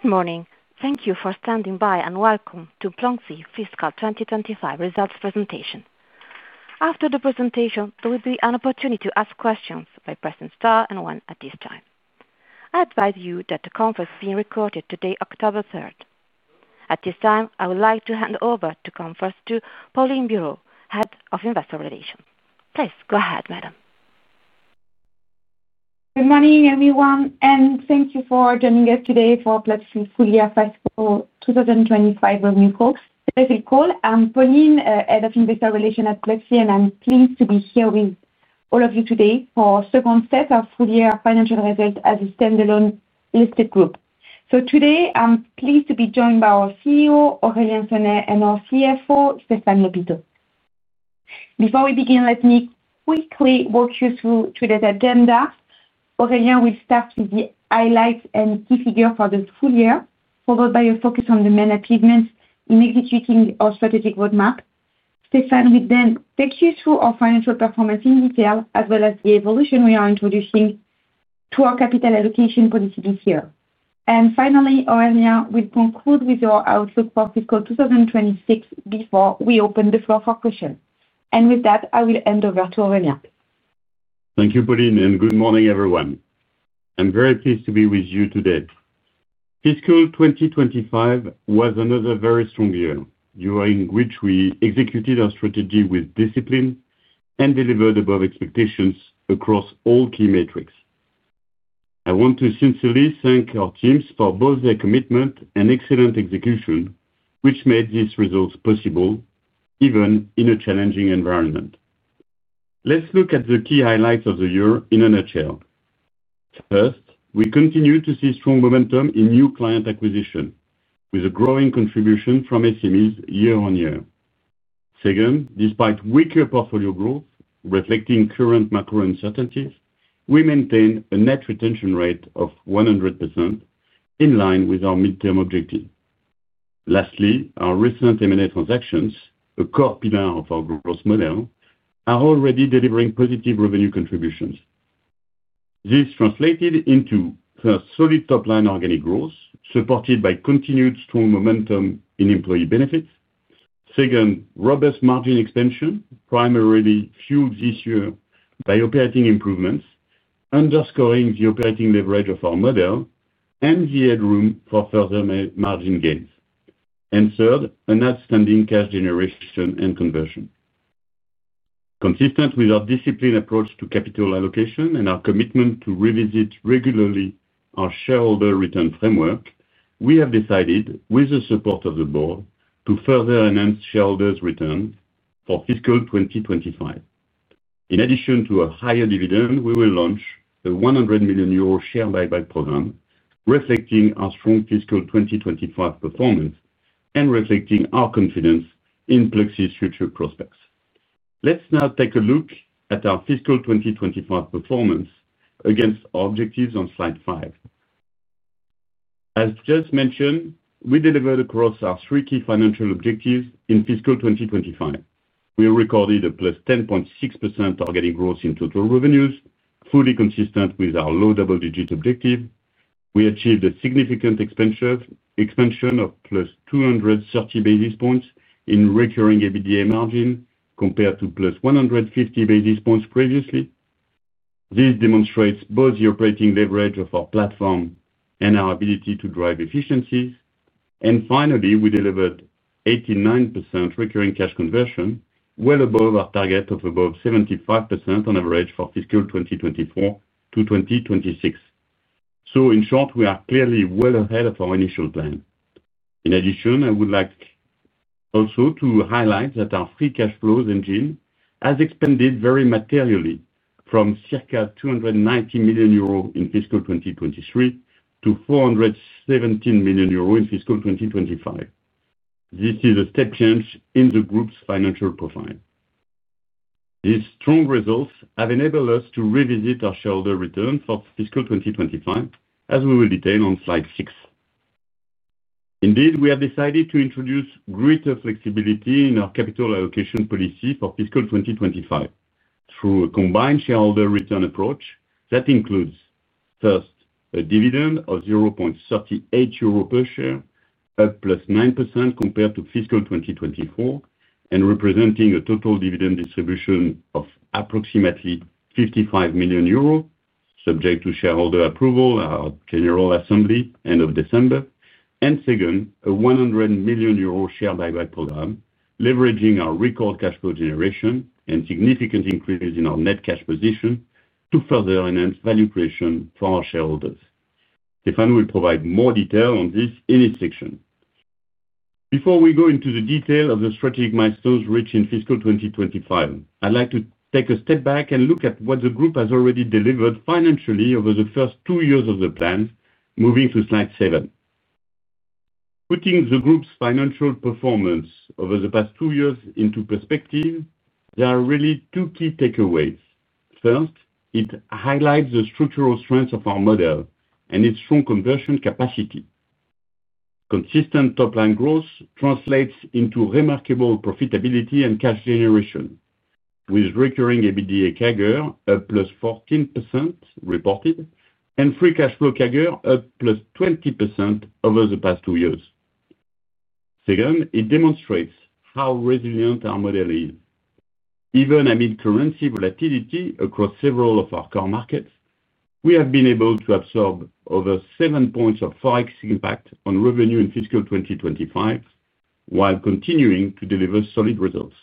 Good morning. Thank you for standing by and welcome to Pluxee fiscal 2025 results presentation. After the presentation there will be an opportunity to ask questions by pressing star and one. At this time I advise you that the conference is being recorded today, October 3rd. At this time I would like to hand over the conference to Pauline Bireaud, Head of Investor Relations. Please go ahead, madam. Good morning everyone and thank you for joining us today for Pluxee full year fiscal 2025 revenue calls. I'm Pauline, Head of Investor Relations at Pluxee and I'm pleased to be here with all of you today for second set of full year financial results as a standalone listed group. Today I'm pleased to be joined by our CEO, Aurélien Sonet and our CFO Stéphane Lhopiteau. Before we begin, let me quickly walk you through today's agenda. Aurélien will start with the highlights and key figures for the full year, followed by a focus on the main achievements in executing our strategic roadmap. Stéphane will then take you through our financial performance in detail as well as the evolution we are introducing to our capital allocation policy this year. Finally, Aurélien will conclude with your outlook for fiscal 2026 before we open the floor for questions. With that I will hand over to Aurélien. Thank you, Pauline, and good morning, everyone. I'm very pleased to be with you today. Fiscal 2025 was another very strong year during which we executed our strategy with discipline and delivered above expectations across all key metrics. I want to sincerely thank our teams for both their commitment and excellent execution, which made these results possible even in a challenging environment. Let's look at the key highlights of the year in a nutshell. First, we continue to see strong momentum in new client acquisition, with a growing contribution from SMEs year on year. Second, despite weaker portfolio growth reflecting current macro uncertainties, we maintain a net retention rate of 100% in line with our midterm objective. Lastly, our recent M&A transactions, a core pillar of our growth model, are already delivering positive revenue contributions. This translated into solid top-line organic growth, supported by continued strong momentum in Employee Benefits. Second, robust margin expansion, primarily fueled this year by operating improvements, underscoring the operating leverage of our model and the headroom for further margin gains. Third, an outstanding cash generation and conversion, consistent with our disciplined approach to capital allocation and our commitment to revisit regularly our shareholder return framework. We have decided, with the support of the board, to further enhance shareholders' return for fiscal 2025. In addition to a higher dividend, we will launch a 100 million euro share buyback program, reflecting our strong fiscal 2025 performance and reflecting our confidence in Pluxee's future prospects. Let's now take a look at our fiscal 2025 performance against our objectives on slide five. As just mentioned, we delivered across our three key financial objectives in fiscal 2025. We recorded a +10.6% organic growth in total revenues, fully consistent with our low double-digit objective. We achieved a significant expansion of +230 basis points in recurring EBITDA margin compared to +150 basis points previously. This demonstrates both the operating leverage of our platform and our ability to drive efficiencies. Finally, we delivered 89% recurring cash conversion, well above our target of above 75% on average for fiscal 2024 to 2026. In short, we are clearly well ahead of our initial plan. In addition, I would like also to highlight that our free cash flows engine has expanded very materially from circa 290 million euro in fiscal 2023 to 417 million euro in fiscal 2025. This is a step change in the Group's financial profile. These strong results have enabled us to revisit our shareholder return for fiscal 2025 as we will detail on slide six. Indeed, we have decided to introduce greater flexibility in our capital allocation policy for fiscal 2025 through a combined shareholder return approach that includes, first, a dividend of 0.38 euro per share, up +9% compared to fiscal 2024 and representing a total dividend distribution of approximately 55 million euros subject to shareholder approval of General Assembly end of December, and second, a 100 million euro share buyback program leveraging our record cash flow generation and significant increases in our net cash position to further enhance value creation for our shareholders. Stéphane will provide more detail on this in this section. Before we go into the detail of the strategic milestones reaching fiscal 2025, I'd like to take a step back. Look at what the Group has already delivered financially over the first two years of the plan. Moving to slide seven, putting the Group's financial performance over the past two years into perspective, there are really two key takeaways. First, it highlights the structural strength of our model and its strong conversion capacity. Consistent top line growth translates into remarkable profitability and cash generation with recurring EBITDA CAGR up +14% reported and free cash flow CAGR up +20% over the past two years. Second, it demonstrates how resilient our model is even amid currency volatility across several of our core markets. We have been able to absorb over seven points of forex impact on revenue in fiscal 2025 while continuing to deliver solid results.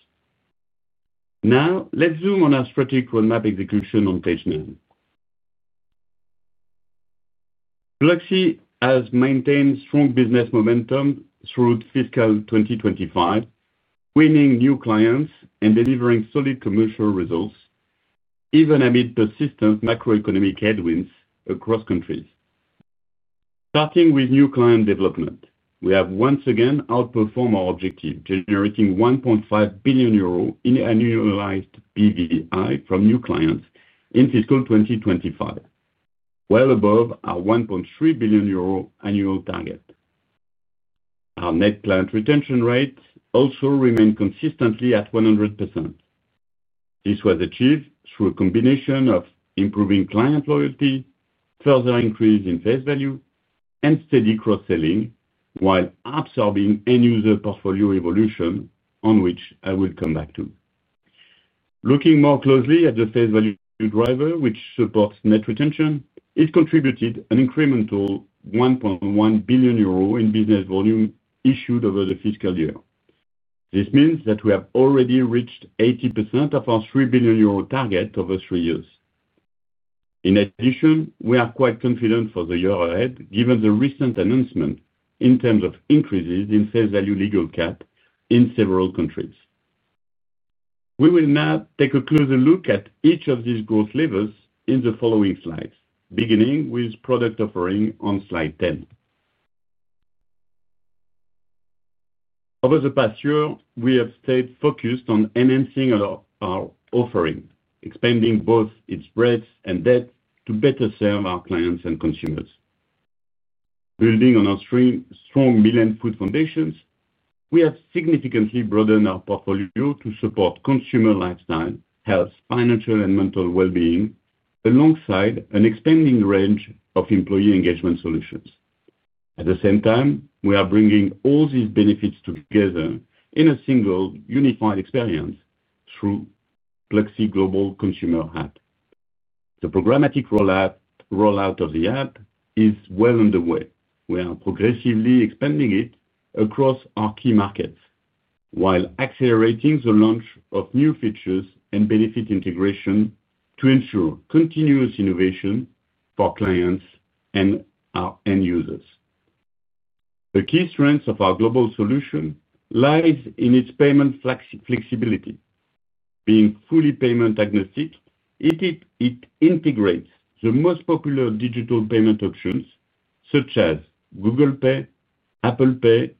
Now let's zoom on our strategic roadmap execution. On page Pluxee has maintained strong business momentum through fiscal 2025, winning new clients and delivering solid commercial results even amid persistent macroeconomic headwinds across countries. Starting with new client development, we have once again outperformed our objective, generating 1.5 billion euro in annualized PVI from new clients in fiscal 2025, well above our 1.3 billion euro annual target. Our net client retention rate also remained consistently at 100%. This was achieved through a combination of improving client loyalty, further increase in face value, and steady cross-selling while absorbing end user portfolio evolution, on which I will come back to. Looking more closely at the face value driver which supports net retention, it contributed an incremental 1.1 billion euro in business volume issued over the fiscal year. This means that we have already reached 80% of our 3 billion euro target over three years. In addition, we are quite confident for the year ahead given the recent announcement in terms of increases in face value legal cap in several countries. We will now take a closer look at each of these growth levers in the following slides, beginning with product offering on slide 10. Over the past year, we have stayed focused on enhancing our offering, expanding both its breadth and depth to better serve our clients and consumers. Building on our strong Meal and food foundations, we have significantly broadened our portfolio to support consumer lifestyle, health, financial and mental well-being alongside an expanding range of employee engagement solutions. At the same time, we are bringing all these benefits together in a single unified experience through Pluxee Global Consumer app. The programmatic rollout of the app is well underway. We are progressively expanding it across our key markets while accelerating the launch of new features and benefit integration to ensure continuous innovation for clients and our end users. The key strength of our global solution lies in its payment flexibility. Being fully payment agnostic, it integrates the most popular digital payment options such as Google Pay, Apple Pay,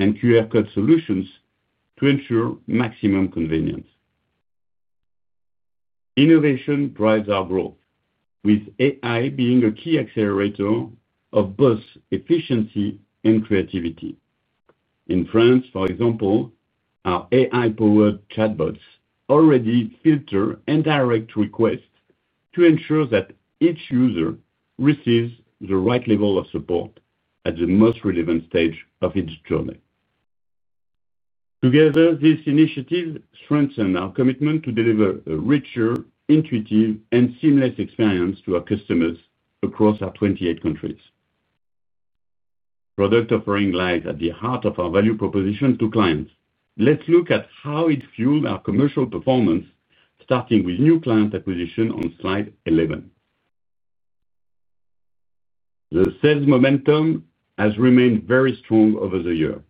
and QR code solutions to ensure maximum convenience. Innovation drives our growth with AI being a key accelerator of both efficiency and creativity. In France, for example, our AI-powered chatbots already filter and direct requests to ensure that each user receives the right level of support at the most relevant stage of its journey. Together, this initiative strengthens our commitment to deliver a richer, intuitive, and seamless experience to our customers across our 28 countries. Product offering lies at the heart of our value proposition to clients. Let's look at how it fueled our commercial performance starting with new client acquisition on slide 11. The sales momentum has remained very strong over the year,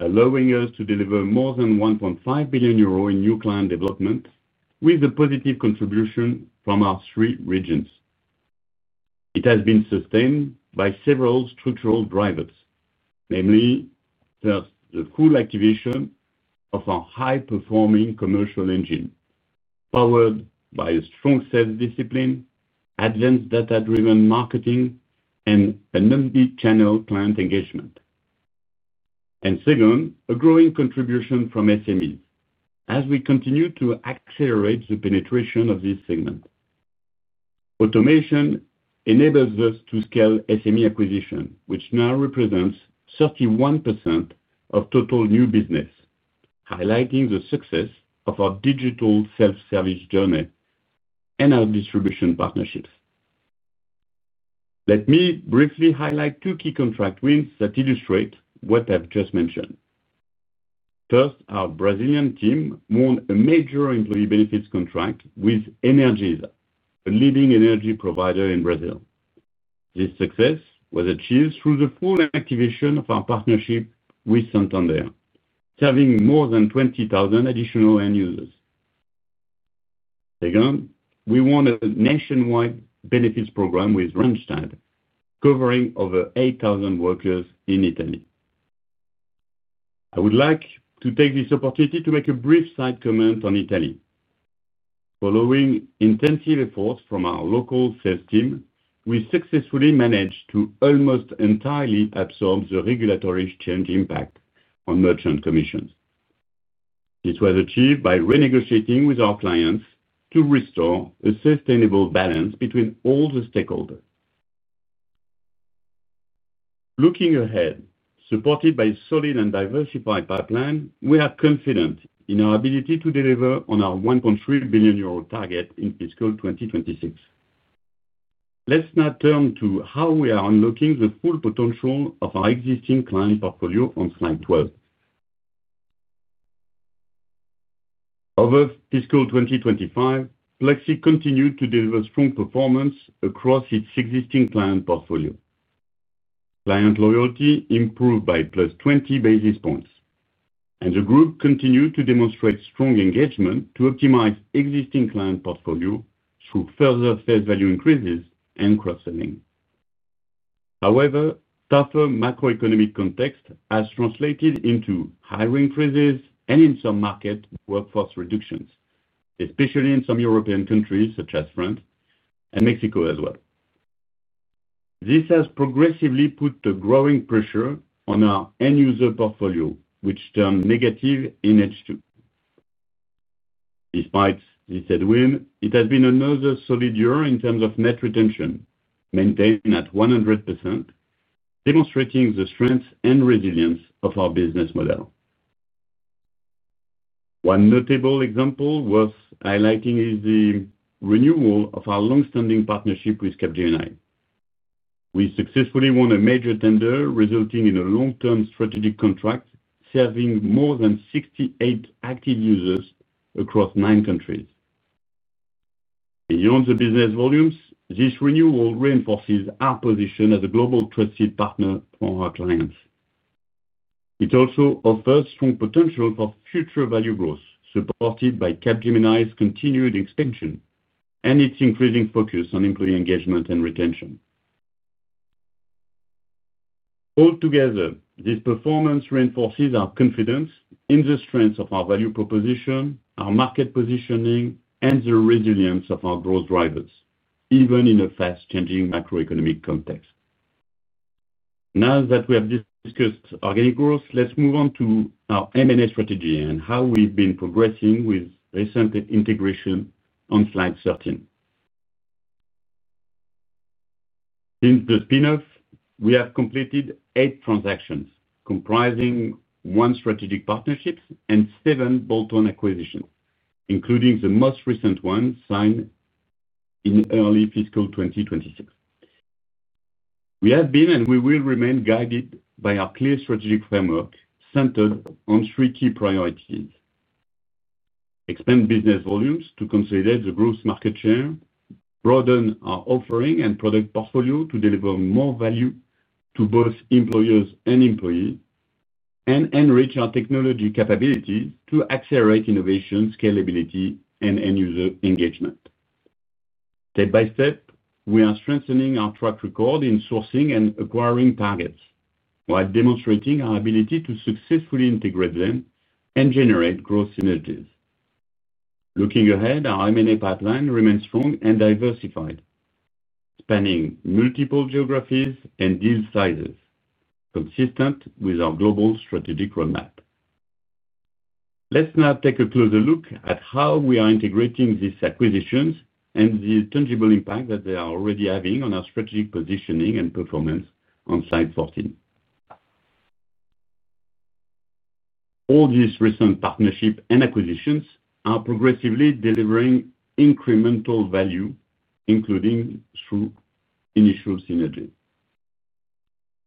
allowing us to deliver more than 1.5 billion euro in new client development with a positive contribution from our three regions. It has been sustained by several structural drivers, namely the full activation of our high-performing commercial engine powered by a strong sales discipline, advanced data-driven marketing, and a multi-channel client engagement, and second, a growing contribution from SMEs as we continue to accelerate the penetration of this segment. Automation enables us to scale SME acquisition, which now represents 31% of total new business. Highlighting the success of our digital self-service journey and our distribution partnerships, let me briefly highlight two key contract wins that illustrate what I've just mentioned. First, our Brazilian team won a major Employee Benefits contract with Energisa, a leading energy provider in Brazil. This success was achieved through the full activation of our partnership with Santander, serving more than 20,000 additional end users. Second, we won a nationwide benefits program with Randstad covering over 8,000 workers in Italy. I would like to take this opportunity to make a brief side comment on Italy. Following intensive efforts from our local sales team, we successfully managed to almost entirely absorb the regulatory exchange impact on merchant commissions. It was achieved by renegotiating with our clients to restore a sustainable balance between all the stakeholders looking ahead. Supported by a solid and diversified pipeline, we are confident in our ability to deliver on our 1.3 billion euro target in fiscal 2026. Let's now turn to how we are unlocking the full potential of our existing client portfolio. On slide 12 above fiscal 2025, Pluxee continued to deliver strong performance across its existing client portfolio. Client loyalty improved by +20 basis points and the group continued to demonstrate strong engagement to optimize existing client portfolio through further face value increases and cross-selling. However, tougher macroeconomic context has translated into higher increases and in some market workforce reductions, especially in some European countries such as France and Mexico as well. This has progressively put the growing pressure on our end user portfolio which turned negative in H2. Despite this headwind, it has been another solid year in terms of net retention maintained at 100%, demonstrating the strength and resilience of our business model. One notable example worth highlighting is the renewal of our long-standing partnership with Capgemini. We successfully won a major tender resulting in a long-term strategic contract serving more than 68,000 active users across nine countries. Beyond the business volumes, this renewal reinforces our position as a global trusted partner for our clients. It also offers strong potential for future value growth supported by Capgemini's continued expansion and its increasing focus on employee engagement and retention. Altogether, this performance reinforces our confidence in the strength of our value proposition, our market positioning, and the resilience of our growth drivers, even in a fast-changing macroeconomic context. Now that we have discussed organic growth, let's move on to our M&A strategy and how we've been progressing with recent integration on slide 13. Since the spinoff, we have completed eight transactions comprising one strategic partnership and seven bolt-on acquisitions including the most recent one signed in early fiscal 2026. We have been and we will remain guided by our clear strategic framework centered on three key expand business volumes to consolidate the growth market share, broaden our offering and product portfolio to deliver more value to both employers and employees, and enrich our technology capabilities to accelerate innovation, scalability, and end user engagement. Step by step, we are strengthening our track record in sourcing and acquiring targets while demonstrating our ability to successfully integrate them and generate growth synergies. Looking ahead, our M&A pipeline remains strong and diversified, spanning multiple geographies and deal sizes consistent with our global strategic roadmap. Let's now take a closer look at how we are integrating these acquisitions and the tangible impact that they are already having on our strategic positioning and performance on slide 14. All these recent partnerships and acquisitions are progressively delivering incremental value, including through initial synergies,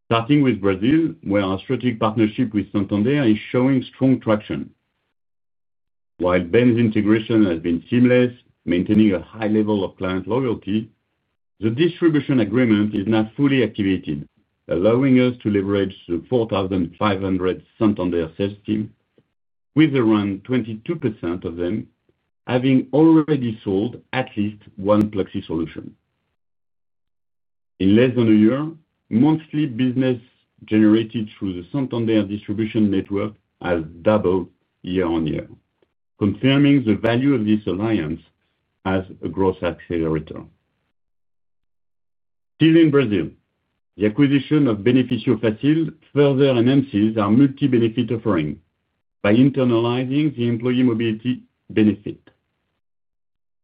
starting with Brazil where our strategic partnership with Santander is showing strong traction. While Ben's integration has been seamless, maintaining a high level of client loyalty, the distribution agreement is now fully activated, allowing us to leverage the 4,500 Santander sales team with around 22% of them having already sold at least one Pluxee solution. In less than a year, monthly business generated through the Santander distribution network has doubled year on year, confirming the value of this alliance as a growth accelerator. Still in Brazil, the acquisition of Benefício Fácil further enhances our multi benefit offering by internalizing the employee mobility. Benefit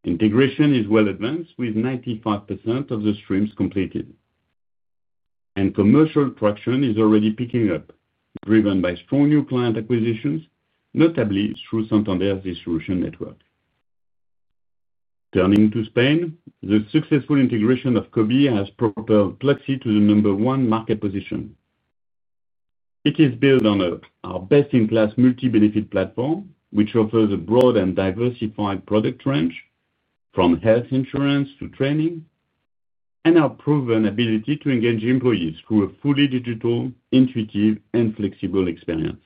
integration is well advanced with 95% of the streams completed, and commercial traction is already picking up, driven by strong new client acquisitions, notably through Santander's distribution network. Turning to Spain, the successful integration of Cobee has propelled Pluxee to the number one market position. It is built on our best-in-class multi benefit platform, which offers a broad and diversified product range from health insurance to training and our proven ability to engage employees through a fully digital, intuitive, and flexible experience.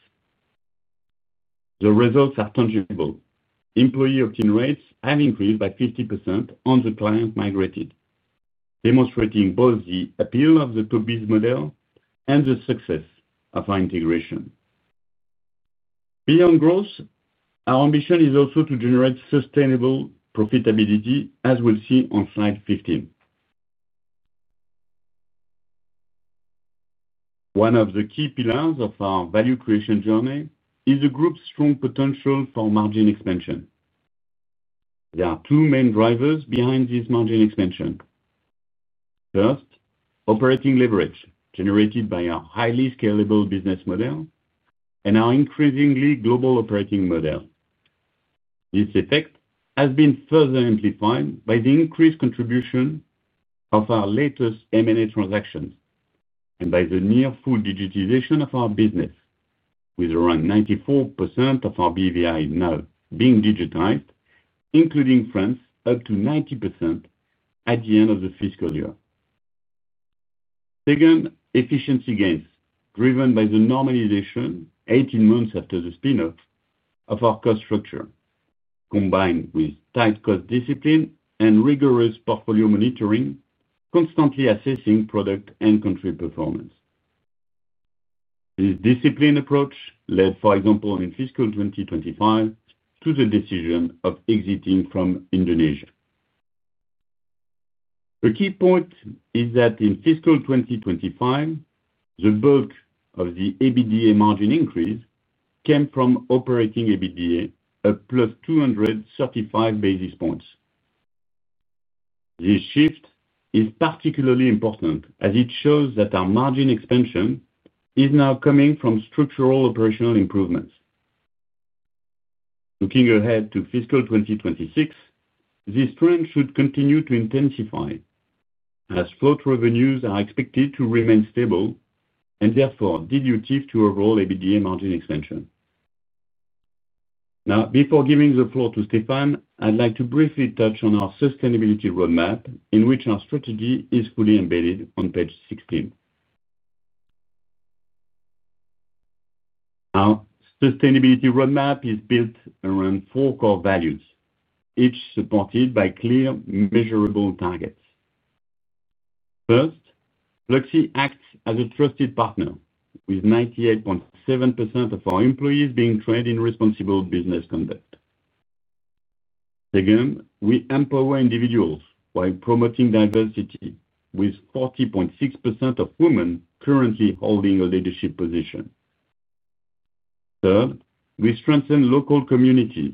The results are tangible. Employee obtain rates have increased by 50% on the client migrated, demonstrating both the appeal of the top business model and the success of our integration beyond growth. Our ambition is also to generate sustainable profitability. As we'll see on slide 15, one of the key pillars of our value creation journey is the group's strong potential for margin expansion. There are two main drivers behind this margin expansion. First, operating leverage generated by our highly scalable business model and our increasingly global operating model. This effect has been further amplified by the increased contribution of our latest M&A transactions and by the near full digitization of our business, with around 94% of our BVI now being digitized by VN, including France, up to 90% at the end of the fiscal year. Second, efficiency gains driven by the normalization 18 months after the spin-off of our cost structure, combined with tight cost discipline and rigorous portfolio monitoring, constantly assessing product and country performance. This disciplined approach led, for example, in fiscal 2025 to the decision of exiting from Indonesia. A key point is that in fiscal 2025 the bulk of the EBITDA margin increase came from operating EBITDA up +235 basis points. This shift is particularly important as it shows that our margin expansion is now coming from structural operational improvements. Looking ahead to fiscal 2026, this trend should continue to intensify as float revenues are expected to remain stable and therefore dilutive to overall EBITDA margin expansion. Now, before giving the floor to Stéphane, I'd like to briefly touch on our sustainability roadmap, in which our strategy is fully embedded on page 16. Our sustainability roadmap is built around four core values, each supported by clear, measurable targets. First, Pluxee acts as a trusted partner with 98.7% of our employees being trained in responsible business conduct. Second, we empower individuals by promoting diversity with 40.6% of women currently holding a leadership position. Third, we strengthen local communities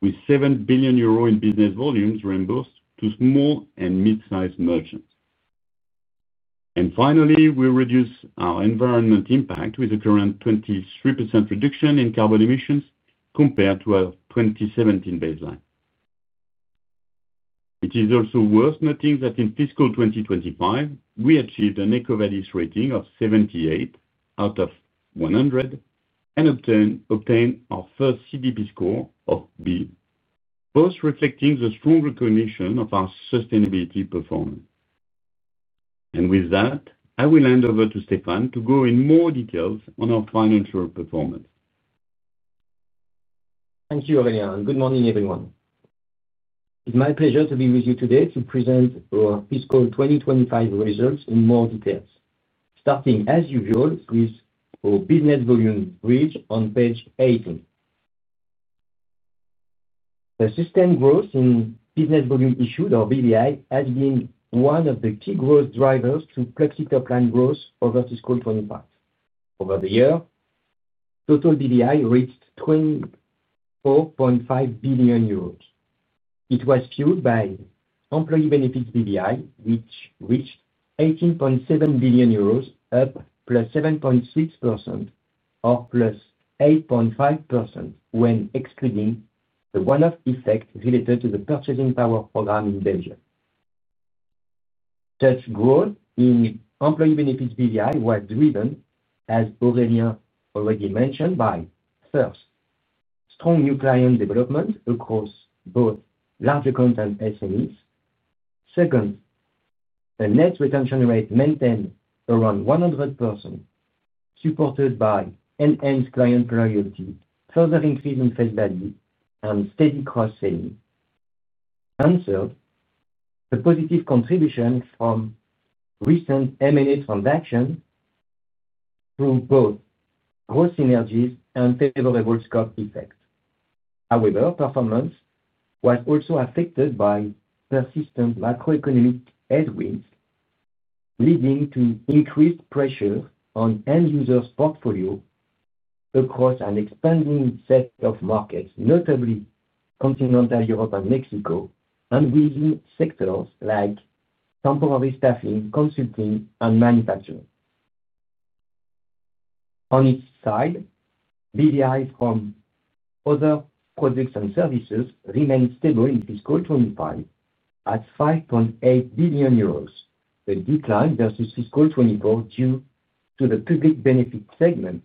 with 7 billion euro in business volumes reimbursed to small and mid-sized merchants. Finally, we reduce our environmental impact with the current 23% reduction in carbon emissions compared to our 2017 baseline. It is also worth noting that in fiscal 2025 we achieved an EcoVadis rating of 78/100 and obtained our first CDP score of B, both reflecting the strong recognition of our sustainability performance. With that, I will hand over to Stéphane to go in more details on our financial performance. Thank you Aurélien and good morning everyone. It's my pleasure to be with you today to present our fiscal 2025 results in more detail, starting as usual with our business volume bridge on page 18. The sustained growth in business volume issued, or BVI, has been one of the key growth drivers to Pluxee top line growth over fiscal impact. Over the year, total BVI reached 24.5 billion euros. It was fueled by Employee Benefits BVI, which reached 18.7 billion euros, up +7.6% or +8.5% when excluding the one-off effect related to the purchasing power program in Belgium. Such growth in Employee Benefits BVI was driven, as Aurélien already mentioned, by first strong new client development across both large accounts and SMEs. Second, a net retention rate maintained around 100% supported by enhanced client priority. Further increase in face value and steady cross-selling answered the positive contribution from recent M&A transactions through both growth synergies and favorable scope effect. However, performance was also affected by persistent macroeconomic headwinds leading to increased pressure on end users portfolio across an expanding set of markets, notably continental Europe and Mexico and within sectors like temporary staffing, consulting, and manufacturing. On its side, BVI from other products and services remained stable in fiscal 2025 at 5.8 billion euros, a decline versus fiscal 2024 due to the public benefit segment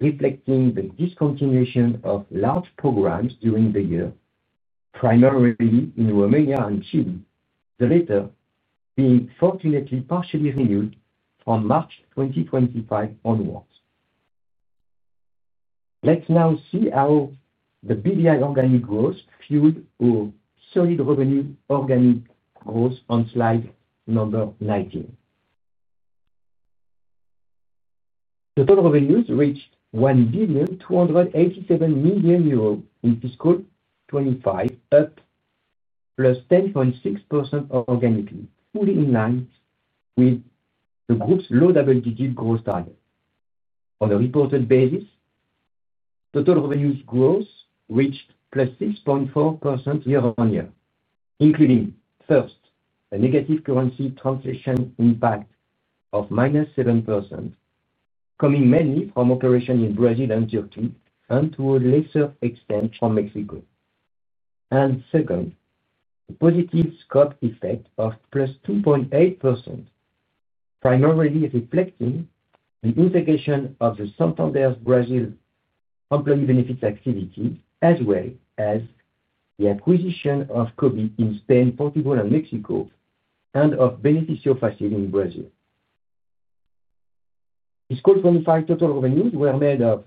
reflecting the discontinuation of large programs during the year, primarily in Romania and Chile, the latter being fortunately partially renewed from March 2025 onwards. Let's now see how the BVI organic growth fueled solid revenue organic growth on slide number 19. Total revenues reached 1.287 billion euros in fiscal 2025, up +10.6% organically, fully in line with the group's low double-digit growth target. On a reported basis, total revenues growth reached +6.4% year on year, including first a negative currency translation impact of -7% coming mainly from operations in Brazil and Turkey and to a lesser extent from Mexico, and second a positive scope effect of plus 2.8% primarily reflecting the integration of the Santander Brazil Employee Benefits activity as well as the acquisition of Cobee in Spain, Portugal, and Mexico and of Benefício Fácil in Brazil. Fiscal 2025 total revenues were made of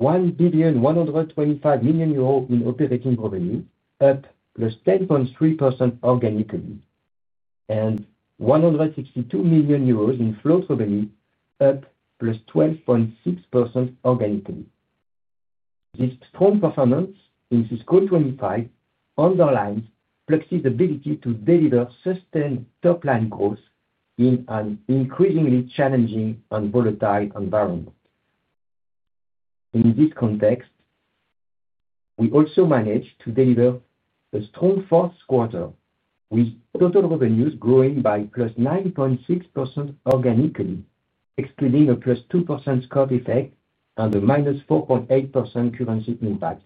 1.125 billion euros in operating revenue, up +10.3% organically, and 162 million euros in float revenue, up +12.6% organically. This strong performance in fiscal 2025 underlines Pluxee's ability to deliver sustained top line growth in an increasingly challenging and volatile environment. In this context, we also managed to deliver a strong fourth quarter with total revenues growing by +9.6% organically, excluding a +2% scope effect and a -4.8% currency impact,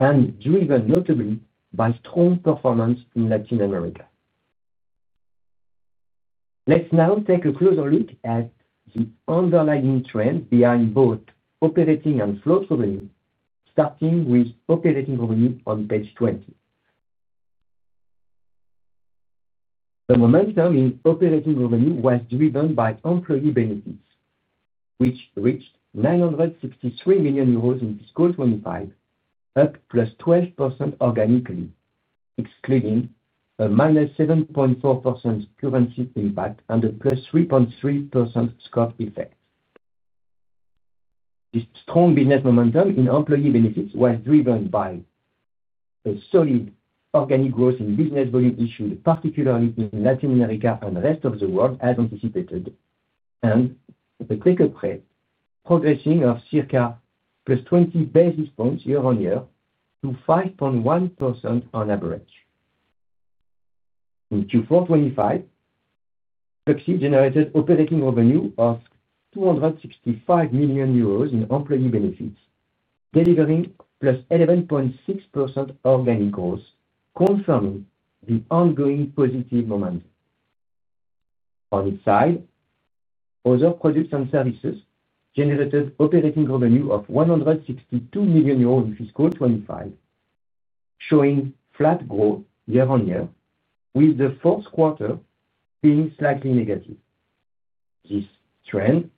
and driven notably by strong performance in Latin America. Let's now take a closer look at the underlying trend behind both operating and float revenue, starting with operating revenue on page 20. The momentum in operating revenue was driven by Employee Benefits, which reached 963 million euros in fiscal 2025, up +12% organically excluding a -7.4% currency impact and a +3.3% scope effect. This strong business momentum in Employee Benefits was driven by a solid organic growth in business volume issued, particularly in Latin America and the Rest of the World as anticipated, and the quick upgrade progressing of circa 20 basis points year on year to 5.1% on average. In Q4 2025, Pluxee generated operating revenue of 265 million euros in Employee Benefits, delivering 11.6% organic growth, confirming the ongoing positive momentum on its side. Other products and services generated operating revenue of 162 million euros in fiscal 2025, showing flat growth year on year with the fourth quarter being slightly negative. This trend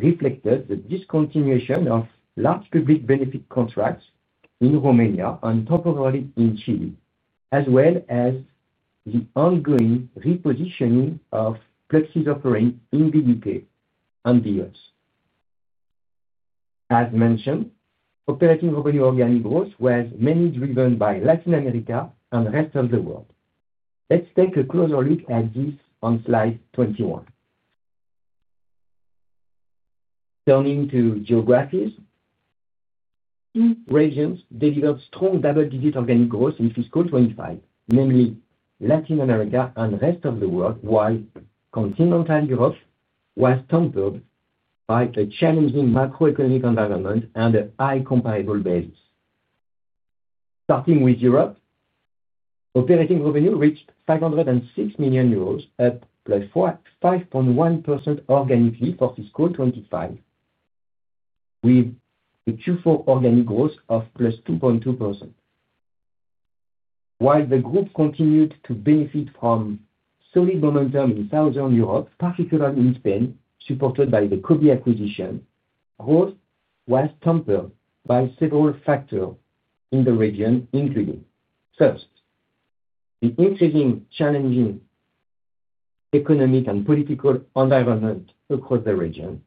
reflected the discontinuation of large public benefit contracts in Romania and temporarily in Chile, as well as the ongoing repositioning of Pluxee's offerings in the U.K. and the U.S. As mentioned, operating revenue organic growth was mainly driven by Latin America and the Rest of the World. Let's take a closer look at this on slide 21. Turning to geographies, two regions delivered strong double-digit organic growth in fiscal 2025, namely Latin America and Rest of the World, while continental Europe was tempered by a challenging macroeconomic environment and a high comparable basis. Starting with Europe, operating revenue reached 506 million euros at +5.1% organically for fiscal 2025, with the Q4 organic growth of +2.2%. While the group continued to benefit from solid momentum in Southern Europe, particularly in Spain, supported by the Cobee acquisition, growth was tempered by several factors in the region including, first, the increasingly challenging economic and political environment across the region,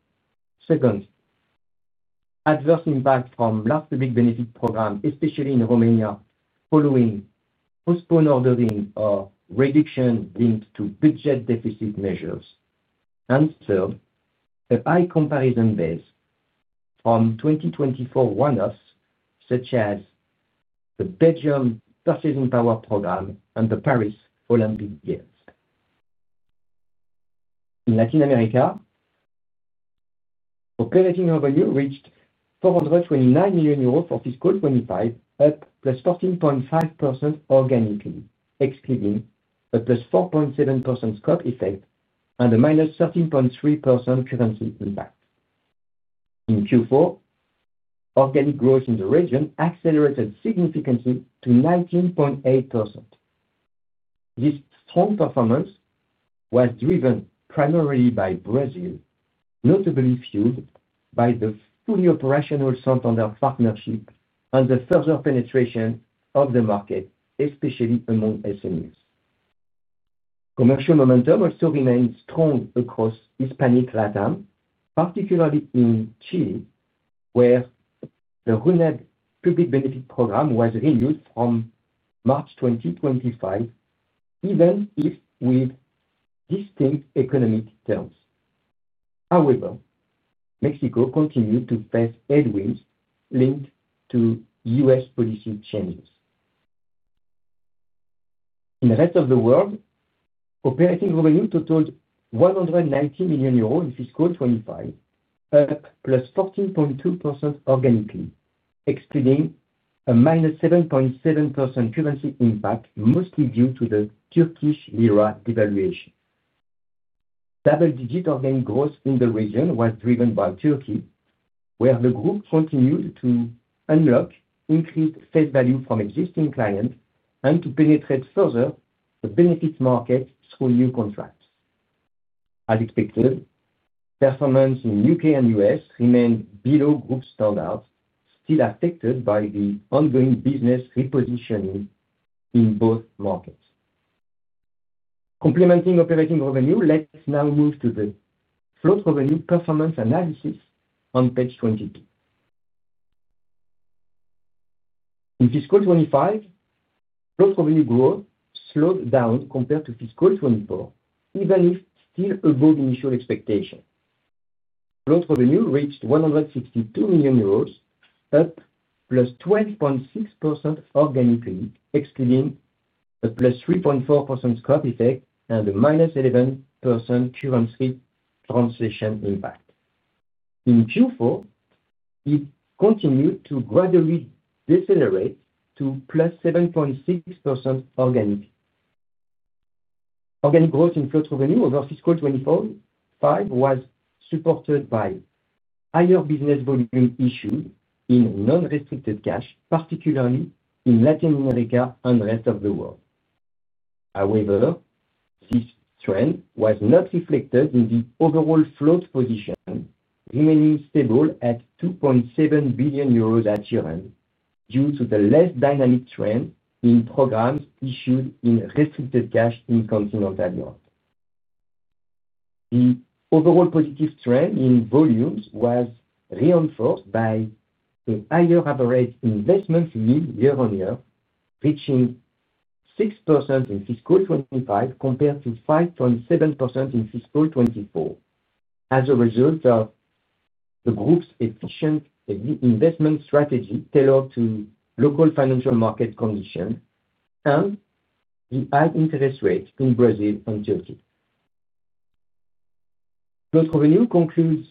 second, adverse impact from the last public benefit program, especially in Romania following postponed ordering or reduction linked to budget deficit measures, and third, a high comparison base from 2024, such as the Belgium Purchasing Power Program and the Paris Olympic Games. In Latin America, operating revenue reached EUR 429 million for fiscal 2025, up +14.5% organically, excluding a +4.7% scope effect and a -13.3% currency impact. In Q4, organic growth in the region accelerated significantly to 19.8%. This strong performance was driven primarily by Brazil, notably fueled by the fully operational Santander partnership and the further penetration of the market, especially among SMEs. Commercial momentum also remained strong across Hispanic LatAm, particularly in Chile where the Runeb public benefit program was renewed from March 2025, even if with distinct economic terms. However, Mexico continued to face headwinds linked to U.S. policy changes. In the Rest of the World, operating revenue totaled 190 million euros in fiscal 2025, up +14.2% organically, excluding a -7.7% currency impact, mostly due to the Turkish Lira devaluation. Double-digit organic growth in the region was driven by Turkey, where the group continued to unlock increased face value from existing clients and to penetrate further the benefits market through new contracts. As expected, performance in the U.K. and U.S. remained below group standards, still affected by the ongoing business repositioning in both markets. Complementing operating revenue, let's now move to the float revenue performance analysis on page 22. In fiscal 2025, float revenue growth slowed down compared to fiscal 2024, even if still above initial expectation. Float revenue reached 162 million euros, up +12.6% organically, excluding a +3.4% scope effect and a -11% FX translation impact. In Q4, it continued to gradually decelerate to +7.6% organically. Organic growth in float revenue over fiscal 2025 was supported by higher business volume issued in non-restricted cash, particularly in Latin America and the Rest of the World. However, this trend was not reflected in the overall float position, remaining stable at 2.7 billion euros at year end due to the less dynamic trend in programs issued in restricted cash in continental Europe. The overall positive trend in volumes was reinforced by a higher average investment yield year on year, reaching 6% in fiscal 2025 compared to 5.7% in fiscal 2024. This was a result of the group's efficient investment strategy tailored to local financial market conditions and the high interest rate in Brazil and Turkey. Gross revenue concludes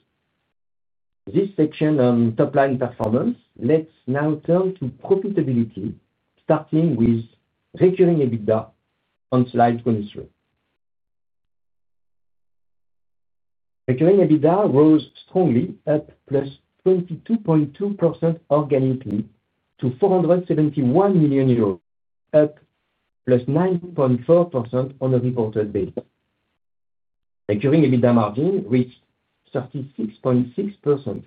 this section on top-line performance. Let's now turn to profitability, starting with recurring EBITDA on slide 23. Recurring EBITDA rose strongly at 22.2% organically to 471 million euros, up +9.4% on a reported basis. Recurring EBITDA margin reached 36.6%,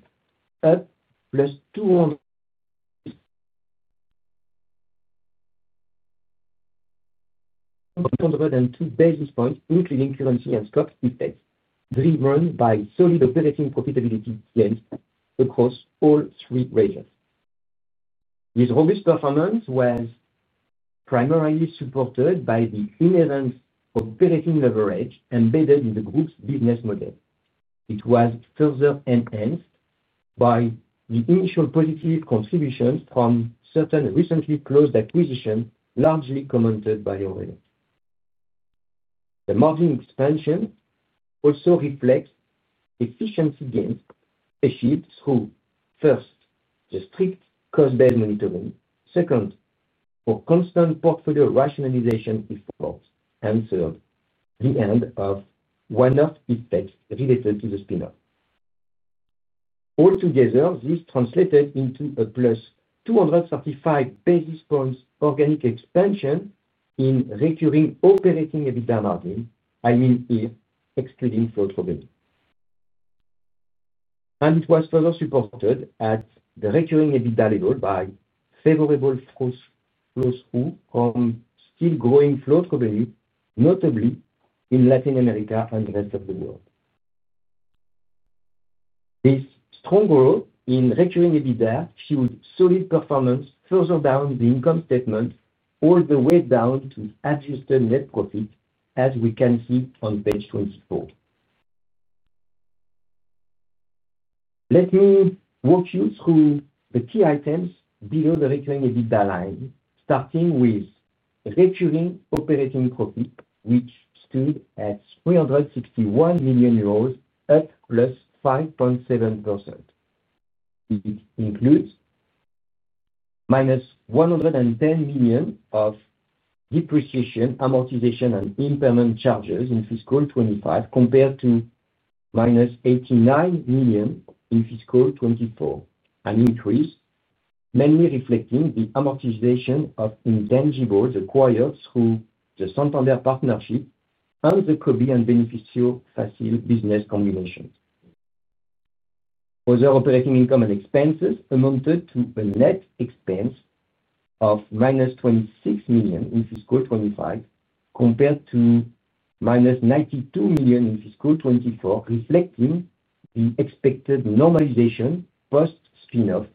up 202 basis points, including currency and scope effects, driven by solid operating profitability gains across all three regions. This robust performance was primarily supported by the inherent operating leverage embedded in the group's business model. It was further enhanced by the initial positive contribution from certain recently closed acquisitions, largely commented by Aurélien. The margin expansion also reflects efficiency gains achieved through, first, the strict cost base monitoring; second, the constant portfolio rationalization it followed; third, the end of one-off effects related to the spinoff. Altogether, this translated into a +235 basis points organic expansion in recurring operating EBITDA margin, I mean here excluding float profitability, and it was further supported at the recurring EBITDA level by favorable force flow-through from still growing float coverage, notably in Latin America and the Rest of the World. This strong growth in recurring EBITDA fueled solid performance further down the income statement, all the way down to adjusted net profit as we can see on page 24. Let me walk you through the key items below the recurring EBITDA line, starting with recurring operating profit, which stood at 361 million euros, up +5.7%. It includes minus 110 million of depreciation, amortization and impairment charges in fiscal 2025 compared to minus 89 million in fiscal 2024, an increase mainly reflecting the amortization of intangibles acquired through the Santander partnership and the Cobee and Benefício Fácil business combinations. Other operating income and expenses amounted to a net expense of -26 million in fiscal 2025 compared to -92 million in fiscal 2024, reflecting the expected normalization post spinoff.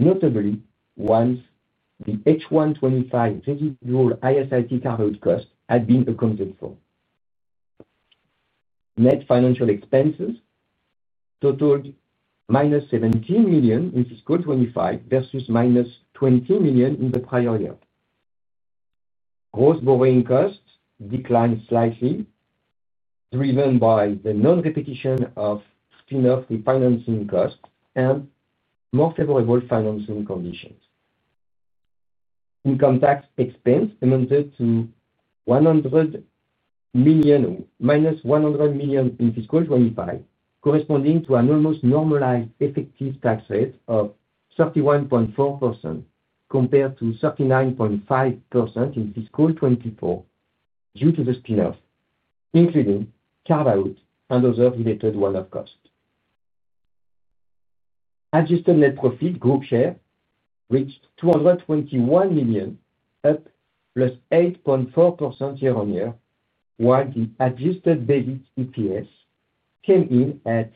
Notably, once the H125 20 ISIT cover cost had been accounted for, net financial expenses totaled minus 17 million in fiscal 2025 versus -20 million in the prior year. Gross borrowing costs declined slightly, driven by the non-repetition of spinoff refinancing costs and more favorable financing conditions. Income tax expense amounted to minus -100 million in fiscal 2025, corresponding to an almost normalized effective tax rate of 31.4% compared to 39.5% in fiscal 2024. Due to the spinoff, including carve out and other related one-off costs, adjusted net profit group share reached 221 million, up 8.4% year on year, while the adjusted basis EPS came in at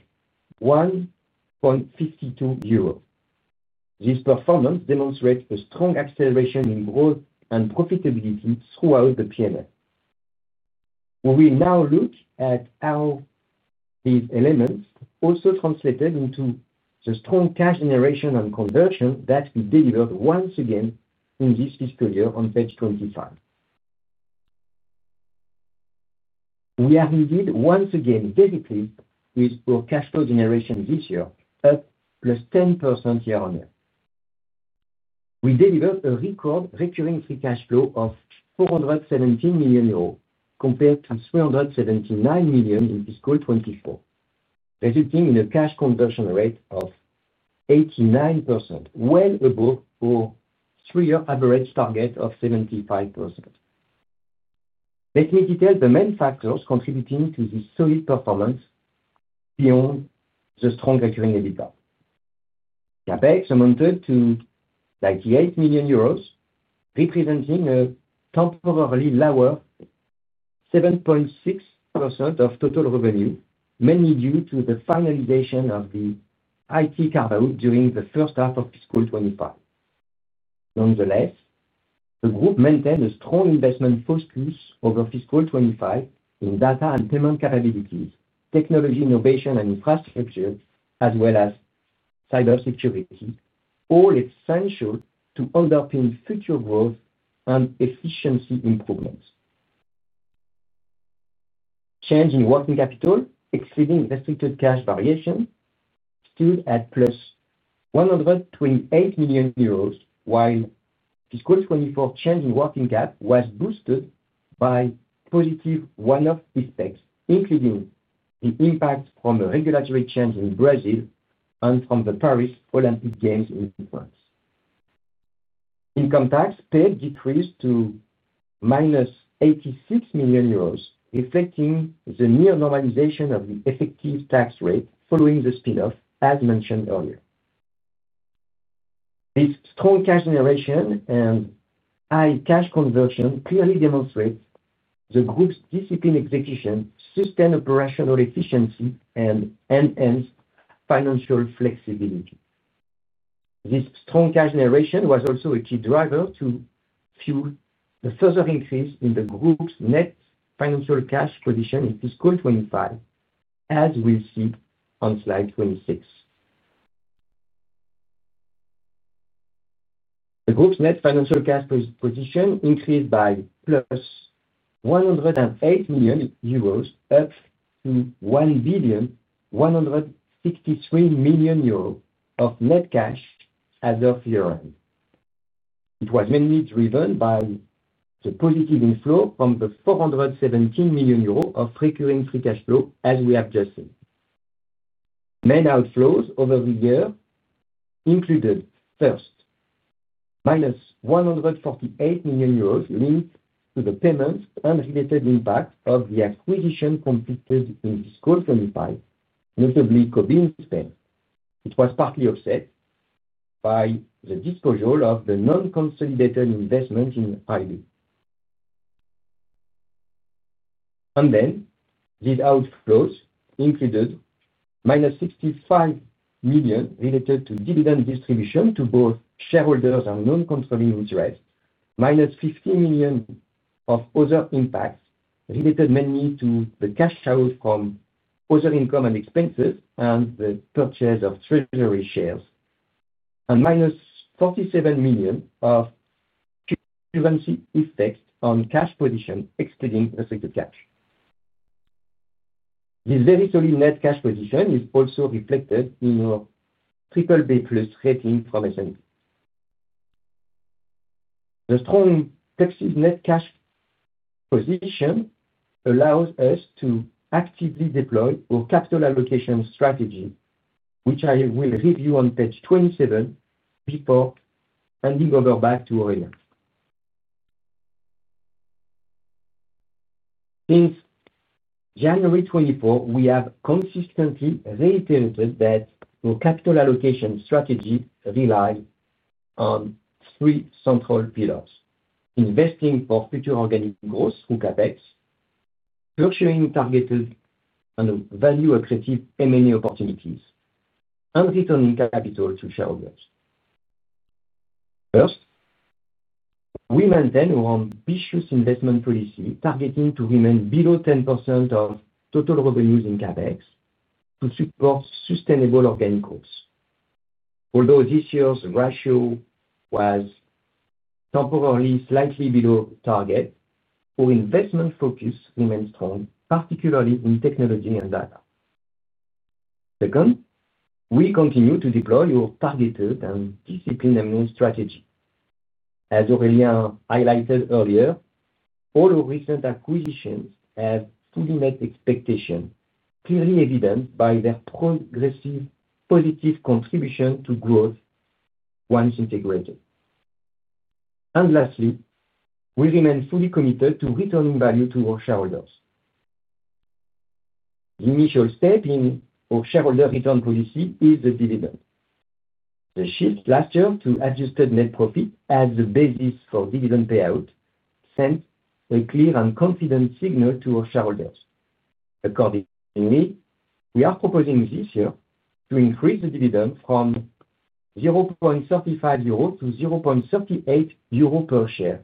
1.52 euro. This performance demonstrates a strong acceleration in growth and profitability throughout the PMF. We will now look at how these elements also translated into the strong cash generation and conversion that we delivered once again in this fiscal year. On page 25, we are indeed once again very pleased with our cash flow generation this year. Up +10% year on year, we delivered a record recurring free cash flow of 417 million euros compared to 379 million in fiscal 2024, resulting in a cash conversion rate of 89%, well above our three-year average target of 75%. Let me detail the main factors contributing to this solid performance. Beyond the strong accuracy, EBITDA CapEx amounted to 98 million euros, representing a temporarily lower 7.6% of total revenue, mainly due to the finalization of the IT cover during the first half of fiscal 2025. Nonetheless, the group maintained a strong investment focus over fiscal 2025 in data and payment capabilities, technology innovation and infrastructure, as well as cybersecurity, all essential to underpin future growth and efficiency improvements. Change in working capital exceeding restricted cash variation stood at EUR 128 million, while fiscal 2024 change in working capital was boosted by positive one-off effects, including the impact from a regulatory change in Brazil and from the Paris Olympic Games. In France, income tax paid decreased to -86 million euros, affecting the near normalization of the effective tax rate following the spinoff. As mentioned earlier, this strong cash generation and high cash conversion clearly demonstrate the Group's disciplined execution, sustained operational efficiency, and enhanced financial flexibility. This strong cash generation was also a key driver to fuel the further increase in the Group's net financial cash position in fiscal 2025. As we see on slide 26, the Group's net financial cash position increased by 108 million euros, up to 1.163 billion of net cash as of year end. It was mainly driven by the positive inflow from the 417 million euros of recurring free cash flow. As we have just seen, main outflows over the year included first -148 million euros linked to the payments and related impact of the acquisition completed in fiscal 2025, notably Cobee in Spain. It was partly offset by the disposal of the non-consolidated investment in IBU. These outflows included -65 million related to dividend distribution to both shareholders and non-controlling interest, -15 million of other impacts related mainly to the cash out from other income and expenses and the purchase of treasury shares, and -47 million of effects on cash position excluding restricted cash. This very solid net cash position is also reflected in our BBB rating from S&P. The strong net cash position allows us to actively deploy our capital allocation strategy, which I will review on page 27 before handing over back to Aurélien. Since January 24th, we have consistently reiterated that our capital allocation strategy relies on three central pillars: investing for future organic growth CapEx, pursuing targeted and value-accretive M&A opportunities, and returning capital to shareholders. First, we maintain our ambitious investment policy, targeting to remain below 10% of the total revenues in CapEx to support sustainable organic growth. Although this year's ratio was temporarily slightly below target, our investment focus remains strong, particularly in technology and data. Second, we continue to deploy our targeted and disciplined M&A strategy. As Aurélien highlighted earlier, all recent acquisitions have fully met expectations, clearly evidenced by their progressive positive contribution to growth once integrated. Lastly, we remain fully committed to returning value to our shareholders. The initial step in our shareholder return policy is the dividend. The shift last year to adjusted net profit as the basis for dividend payout sends a clear and confident signal to our shareholders. Accordingly, we are proposing this year to increase the dividend from 0.35-0.38 euro per share,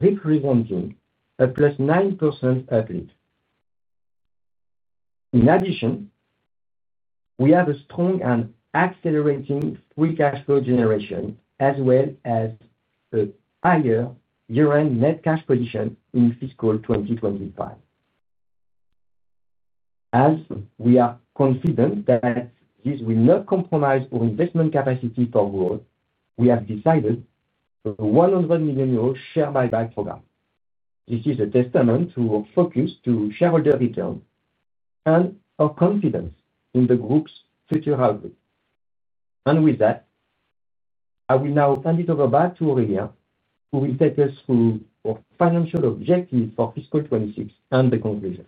representing a 9% uplift. In addition, we have a strong and accelerating free cash flow generation as well as a higher year-end net cash position in fiscal 2025. As we are confident that this will not compromise our investment capacity for growth, we have decided on a 100 million euro share buyback program. This is a testament to our focus on shareholder return and our confidence in the group's future outlook. I will now hand it over back to Aurélien, who will take us through our financial objectives for fiscal 2026 and the conclusion.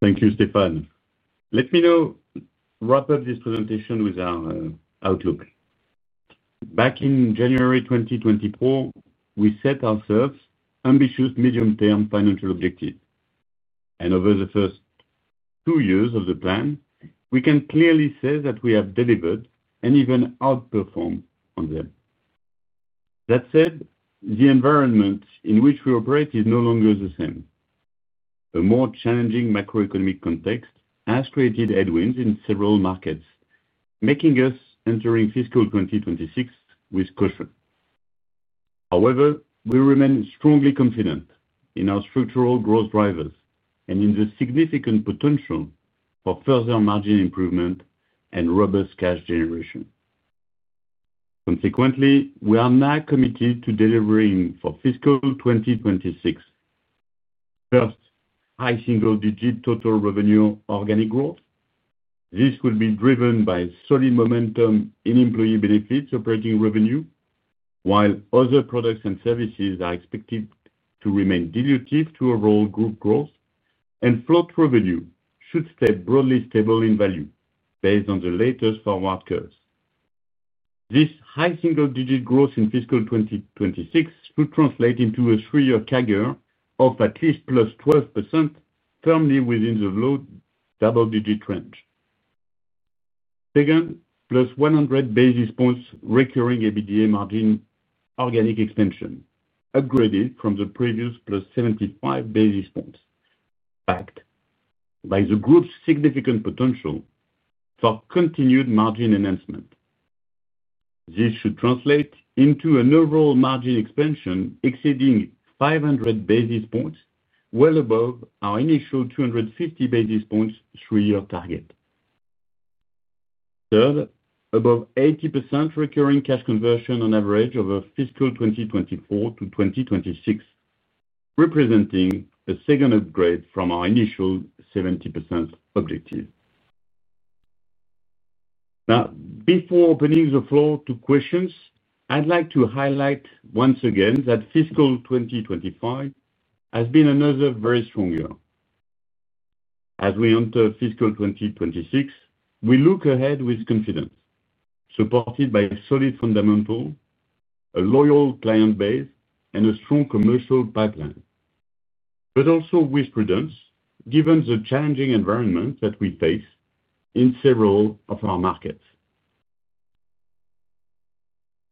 Thank you Stéphane. Let me now wrap up this presentation with our outlook. Back in January 2024 we set ourselves ambitious medium term financial objectives and over the first two years of the plan we can clearly say that we have delivered and even outperformed on them. That said, the environment in which we operate is no longer the same. A more challenging macroeconomic context has created headwinds in several markets making us entering fiscal 2026 with cushion. However, we remain strongly confident in our structural growth drivers and in the significant potential for further margin improvement and robust cash generation. Consequently, we are now committed to delivering for fiscal 2026 first high single digit total revenue organic growth. This will be driven by solid momentum in Employee Benefits operating revenue. While other products and services are expected to remain dilutive to overall group growth and float revenue should stay broadly stable in value. Based on the latest forward curves, this high single digit growth in fiscal 2026 should translate into a three year CAGR of at least 12% firmly within the low double digit range. Second, +100 basis points recurring EBITDA margin organic expansion upgraded from the previous +75 basis points backed by the group's significant potential for continued margin enhancement. This should translate into an overall margin expansion exceeding 500 basis points, well above average initial 250 basis points three year target. Third, above 80% recurring cash conversion on average over fiscal 2024 to 2026 representing a second upgrade from our initial 70% objective. Now, before opening the floor to questions, I'd like to highlight once again that fiscal 2025 has been another very strong year. As we enter fiscal 2026, we look ahead with confidence, supported by solid fundamentals, a loyal client base and a strong commercial pipeline. Also with prudence given the challenging environment that we face in several of our markets.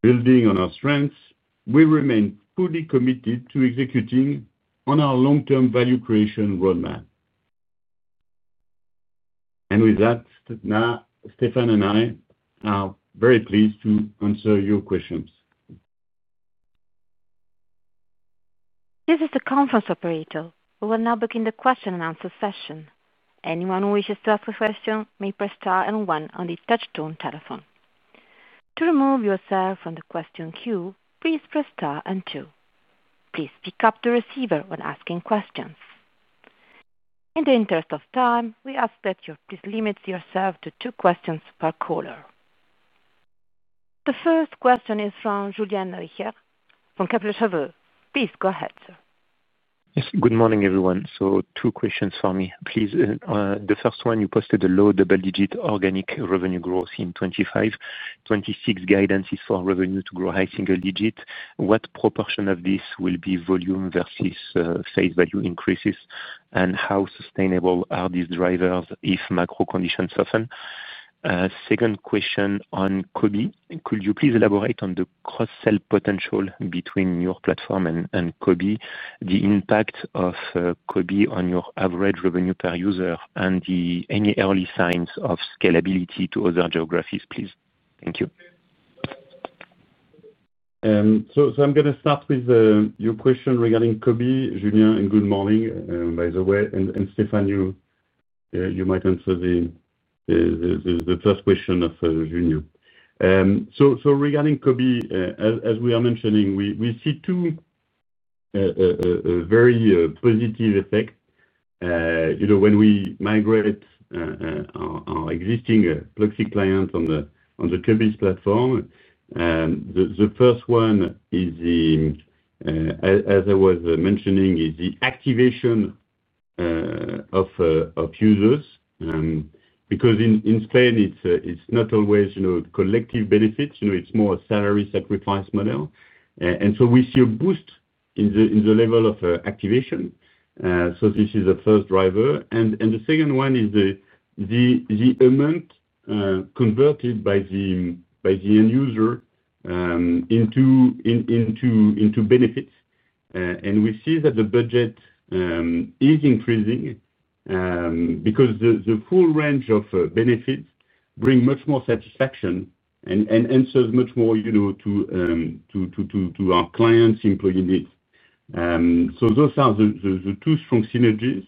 Building on our strengths, we remain fully committed to executing on our long term value creation roadmap. With that, Stéphane and I are very pleased to answer your questions. This is the conference operator. We will now begin the question and answer session. Anyone who wishes to ask a question may press star and one on the touchtone telephone. To remove yourself from the question queue, please press star and two. Please pick up the receiver when asking questions. In the interest of time, we ask that you please limit yourself to two questions per caller. The first question is from Julien Richer from Kepler Cheuvreux. Please go ahead, sir. Good morning everyone. Two questions for me please. The first one, you posted a low double digit organic revenue growth in 2025, and guidance is for revenue to grow high single digit. What proportion of this will be volume versus face value increases, and how sustainable are these drivers if macro conditions soften? Second question on Cobee. Could you please elaborate on the cross-sell potential between your platform and Cobee, the impact of Cobee on your average revenue per user, and any early signs of scalability to other geographies, please. Thank you. I'm going to start with your question regarding Cobee, Julien, and good morning by the way. Stéphane, you might answer the first question of Julien. Regarding Cobee, as we are mentioning, we see two very positive effects when we migrate our existing Pluxee client on the Cobee platform. The first one is, as I was mentioning, the activation of users because in Spain it's not always collective benefits, it's more a salary sacrifice model. We see a boost in the level of activation. This is the first driver, and the second one is the amount converted by the end user into benefits. We see that the budget is increasing because the full range of benefits brings much more satisfaction and answers much more to our clients' employee needs. Those are the two strong synergies,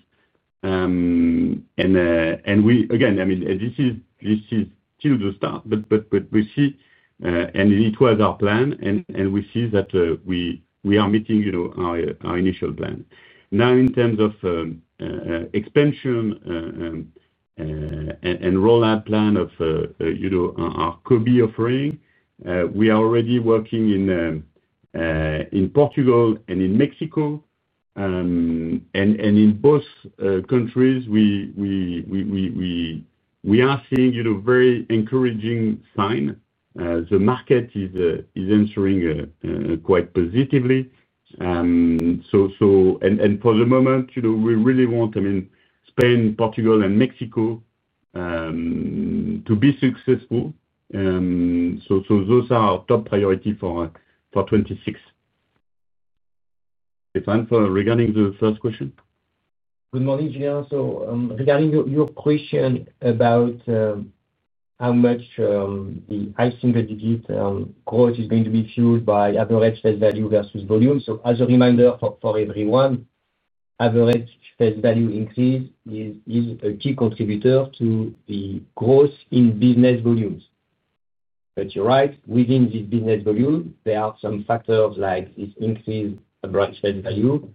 and again, this is still the start, but we see, and it was our plan, that we are meeting our initial plan now in terms of expansion and rollout plan of Cobee offering. We are already working in Portugal and in Mexico, and in both countries we are seeing very encouraging signs. The market is answering quite positively, and for the moment we really want Spain, Portugal, and Mexico to be successful. Those are our top priority for 2026. Regarding the first question. Good morning, Julien. Regarding your question about how much the high single digit growth is going to be fueled by average face value versus volume, as a reminder for everyone, average face value increase is a key contributor to the growth in business volumes. You're right, within this business volume there are some factors like this increase, branch face value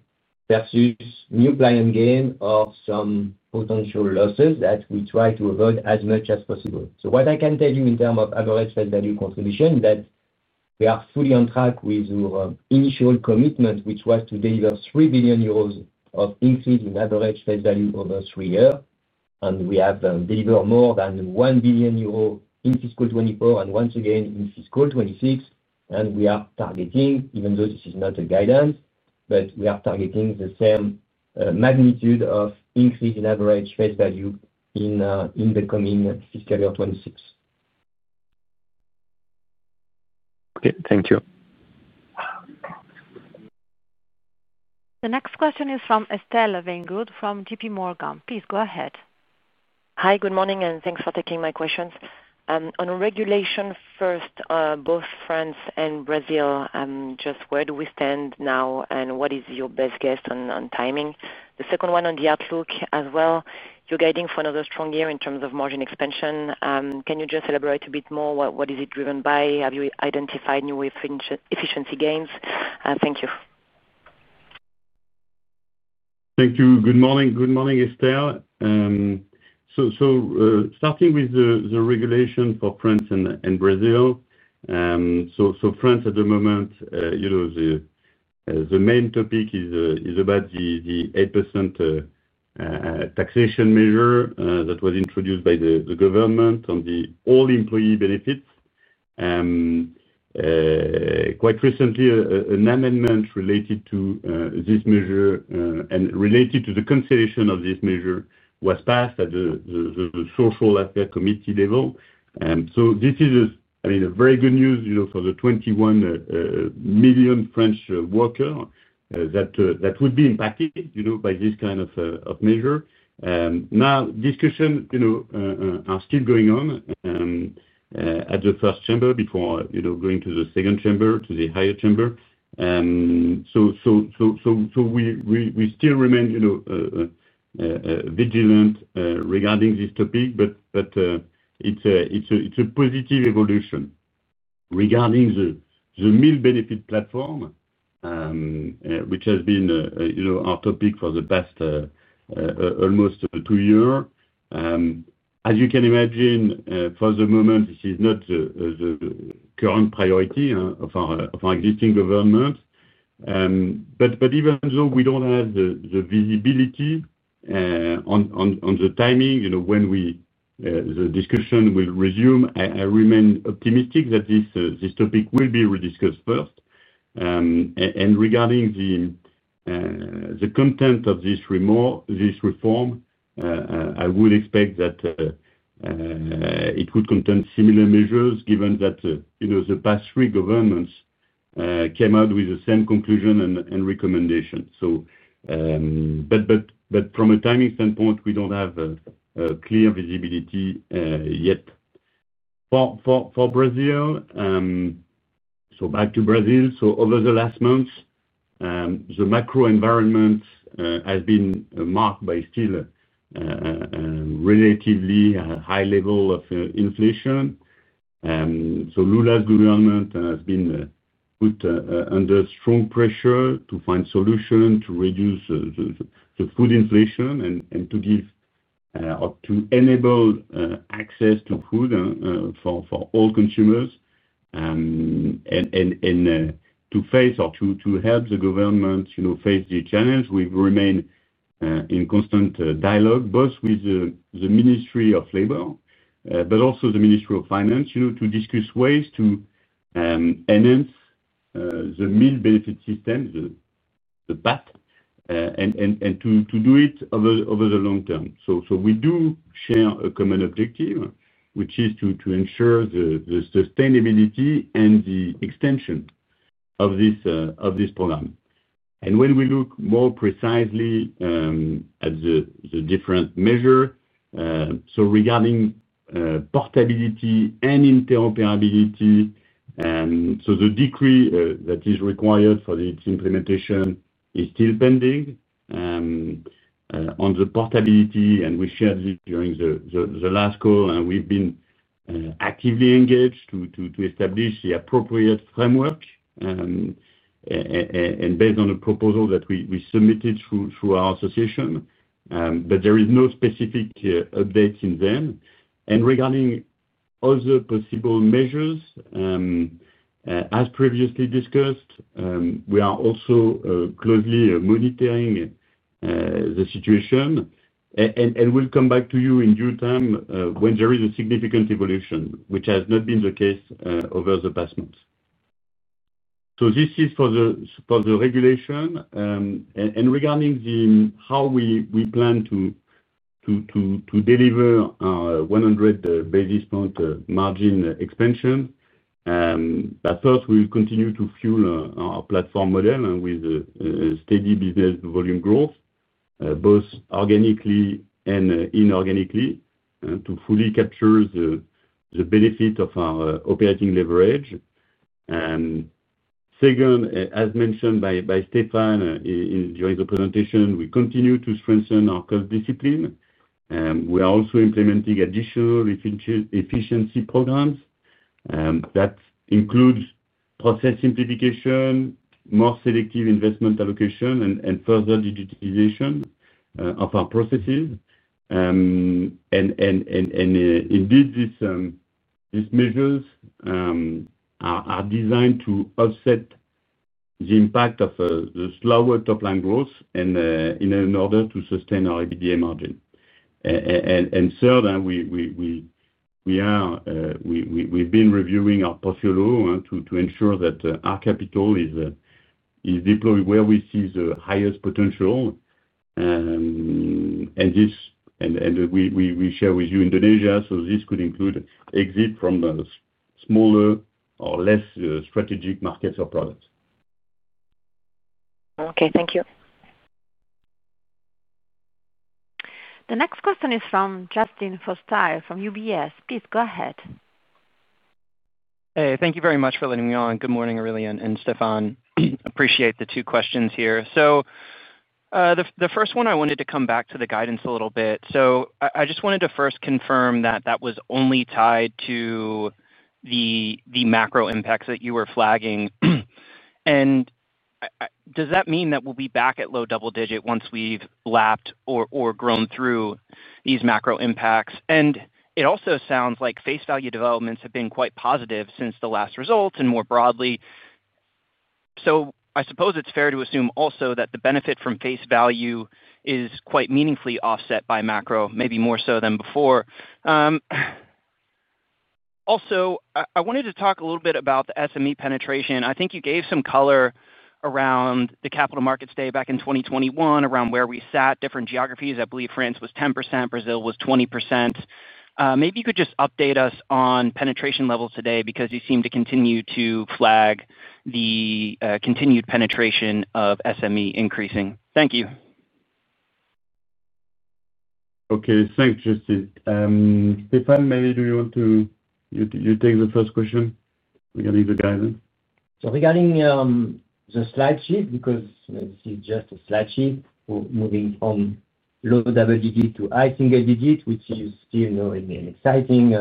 versus new client gain, or some potential losses that we try to avoid as much as possible. What I can tell you in terms of average face value contribution is that we are fully on track with initial commitment, which was to deliver 3 billion euros of increase in average face value over three years. We have delivered more than 1 billion euros in fiscal 2024 and once again in fiscal 2026. We are targeting, even though this is not a guidance, the same magnitude of increase in average face value in the coming fiscal year 2026. Okay, thank you. The next question is from Estelle Weingrod from JPMorgan. Please go ahead. Hi, good morning and thanks for taking my questions on regulation first. Both France and Brazil, just where do we stand now and what is your best guess on timing? The second one on the outlook as well, you're guiding for another strong year in terms of margin expansion. Can you just elaborate a bit more? What is it driven by? Have you identified new efficiency gains? Thank you. Thank you. Good morning. Good morning, Estelle. Starting with the regulation for France and Brazil. In France, at the moment the main topic is about the 8% taxation measure that was introduced by the government on all Employee Benefits. Quite recently, an amendment related to this measure and related to the consideration of this measure was passed at the Social Affair Committee level. This is very good news for the 21 million French workers that would be impacted by this kind of measure. Now, discussions are still going on at the first chamber before going to the second chamber, to the higher chamber. We still remain vigilant regarding this topic. It's a positive evolution regarding the Meal benefit platform, which has been our topic for the past almost two years. As you can imagine, for the moment this is not the current priority of our existing government. Even though we don't have the visibility on the timing when the discussion will resume, I remain optimistic that this topic will be rediscussed first. Regarding the content of this reform, I would expect that it would contain similar measures given that the past three governments came out with the same conclusion and recommendations. From a timing standpoint, we don't have clear visibility yet for Brazil. Back to Brazil. Over the last months, the macro environment has been marked by still relatively high level of inflation. Lula's government has been put under strong pressure to find solutions to reduce the food inflation and to give or to enable access to food for all consumers and to help the government face the challenge. We remain in constant dialogue, both with the Ministry of Labor and the Ministry of Finance, to discuss ways to enhance the meal benefit system and to do it over the long term. We do share a common objective, which is to ensure the sustainability and the extension of this program. When we look more precisely at the different measures regarding portability and interoperability, the decree that is required for its implementation is still pending on the portability and we shared this during the last call and we've been actively engaged to establish the appropriate framework based on a proposal that we submitted through our association, but there is no specific updates in them. Regarding other possible measures, as previously discussed, we are also closely monitoring the situation and we'll come back to you in due time when there is a significant evolution, which has not been the case over the past month. This is for the regulation and regarding how we plan to deliver 100 basis point margin expansion. First, we will continue to fuel our platform model with steady business volume growth, both organically and inorganically, to fully capture the benefit of our operating leverage. Second, as mentioned by Stéphane during the presentation, we continue to strengthen our cost discipline. We are also implementing additional efficiency programs that include process simplification, more selective investment allocation, and further digitization of our processes. Indeed, these measures are designed to offset the impact of the slower top line growth in order to sustain our EBITDA margin. Third, we've been reviewing our portfolio to ensure that our capital is deployed where we see the highest potential and we shared with you Indonesia. This could include exit from smaller or less strategic markets or products. Okay, thank you. The next question is from Justin Forsythe from UBS. Please go ahead. Hey, thank you very much for letting me on. Good morning. Aurélien and Stéphane, appreciate the two questions here. The first one, I wanted to come back to the guidance a little bit. I just wanted to first confirm that that was only tied to the macro impacts that you were flagging. Does that mean that we'll be back at low double digit once we've lapped or grown through these macro impacts? It also sounds like face value developments have been quite positive since the last results and more broadly. I suppose it's fair to assume also that the benefit from face value is quite meaningfully offset by macro, maybe more so than before. I wanted to talk a little bit about the SME penetration. I think you gave some color around the Capital Markets Day back in 2021, around where we sat different geographies. I believe France was 10%, Brazil was 20%. Maybe you could just update us on penetration levels today because you seem to continue to flag the continued penetration of SME increasing. Thank you. Okay, thanks. Stéphane, maybe do you want to take the first question regarding the guidance. Regarding the slide sheet, because this is just a slide sheet moving from low double digit to high single digit, which you still know in exciting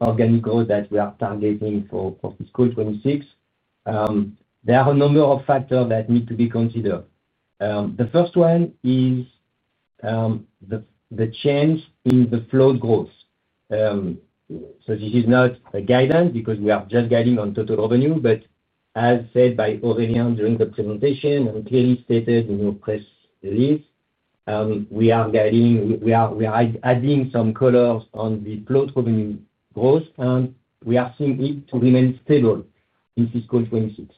organic growth that we are targeting for fiscal 2026, there are a number of factors that need to be considered. The first one is the change in the float growth. This is not a guidance because we are just guiding on total revenue. As said by Aurélien during the presentation and clearly stated in your press release, we are adding some colors on the float revenue growth and we are seeing it to remain stable in fiscal 2026.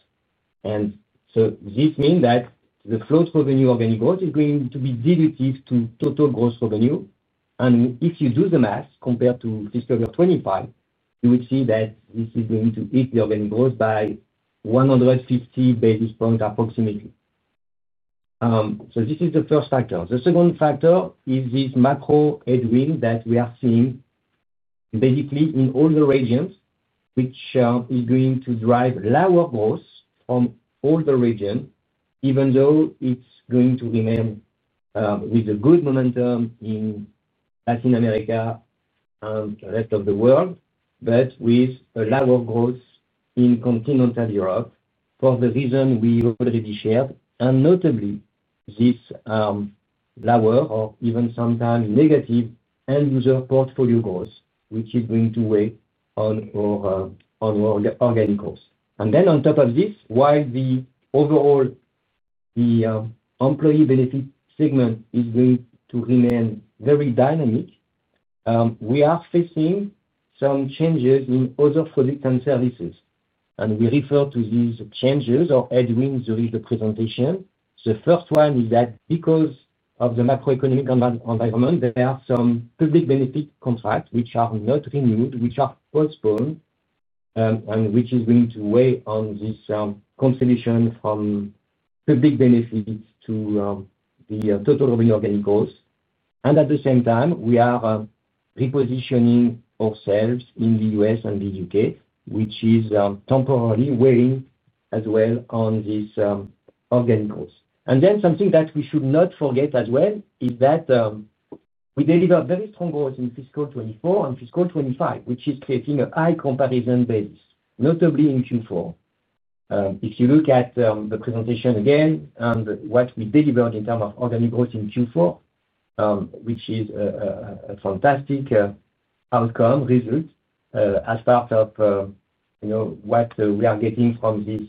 This means that the float for the new organic growth is going to be derivative to total gross revenue. If you do the math compared to fiscal year 2025, you will see that this is going to hit the organic growth by 150 basis points approximately. This is the first factor. The second factor is this macro headwind that we are seeing basically in all the regions, which is going to drive lower growth from all the regions, even though it's going to remain with a good momentum in Latin America and Rest of the World, but with a level of growth in continental Europe for the reason we already shared, and notably this lower or even sometimes negative end user portfolio growth which is going to weigh on organic growth. On top of this, while overall the Employee Benefits segment is going to remain very dynamic, we are facing some changes in other products and services and we refer to these changes or headwinds with the presentation. The first one is that because of the macroeconomic environment there are some public benefit contracts which are not renewed, which are postponed and which is going to weigh on this consolidation from public benefits to the total reorganic growth. At the same time we are repositioning ourselves in the U.S. and the U.K. which is temporarily weighing as well on this organic growth. Something that we should not forget as well is that we deliver very strong growth in fiscal 2024 and fiscal 2025, which is creating a high comparison basis, notably in Q4. If you look at the presentation again and what we delivered in terms of organic growth in Q4, which is a fantastic outcome result as part of what we are getting from this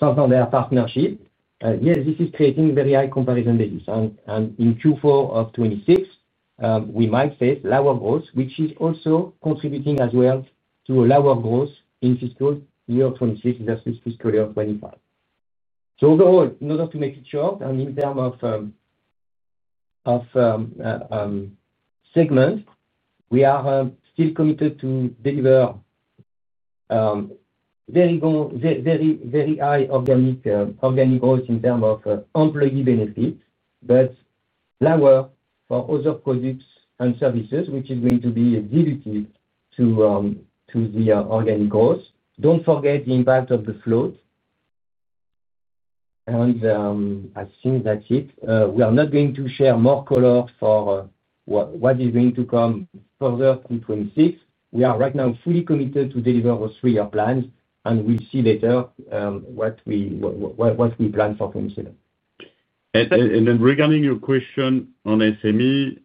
Santander partnership, this is creating very high comparison basis and in Q4 of 2026 we might face lower growth which is also contributing as well to a lower growth in fiscal year 2026 versus fiscal year 2025. Overall, in order to make it short and in terms of segment, we are still committed to deliver very high organic growth in terms of Employee Benefits, but lower for other products and services which is going to be dilutive to the organic growth. Don't forget the impact of the float. I think that's it. We are not going to share more color for what is going to come further to 2026. We are right now fully committed to deliver those three year plans and we'll see later what we plan for 2027. Regarding your question on SME,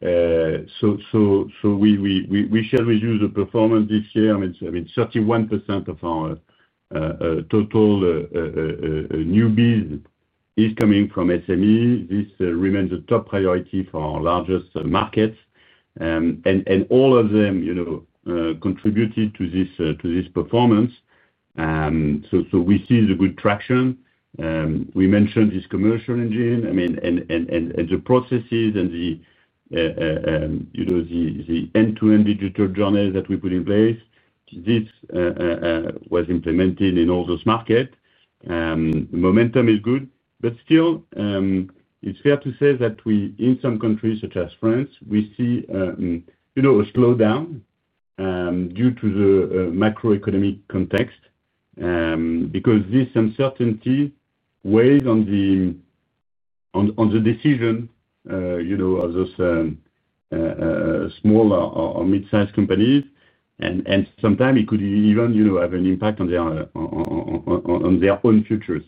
we shared with you the performance this year. I mean 31% of our total newbies is coming from SME. This remains a top priority for our largest markets and all of them contributed to this performance. We see the good traction. We mentioned this commercial engine and the processes and the end-to-end digital journeys that we put in place. This was implemented in all those markets. Momentum is good, but still it's fair to say that in some countries, such as France, we see a slowdown due to the macroeconomic context because this uncertainty weighs on the decision, you know, small or mid-sized companies and sometimes it could even have an impact on their own future.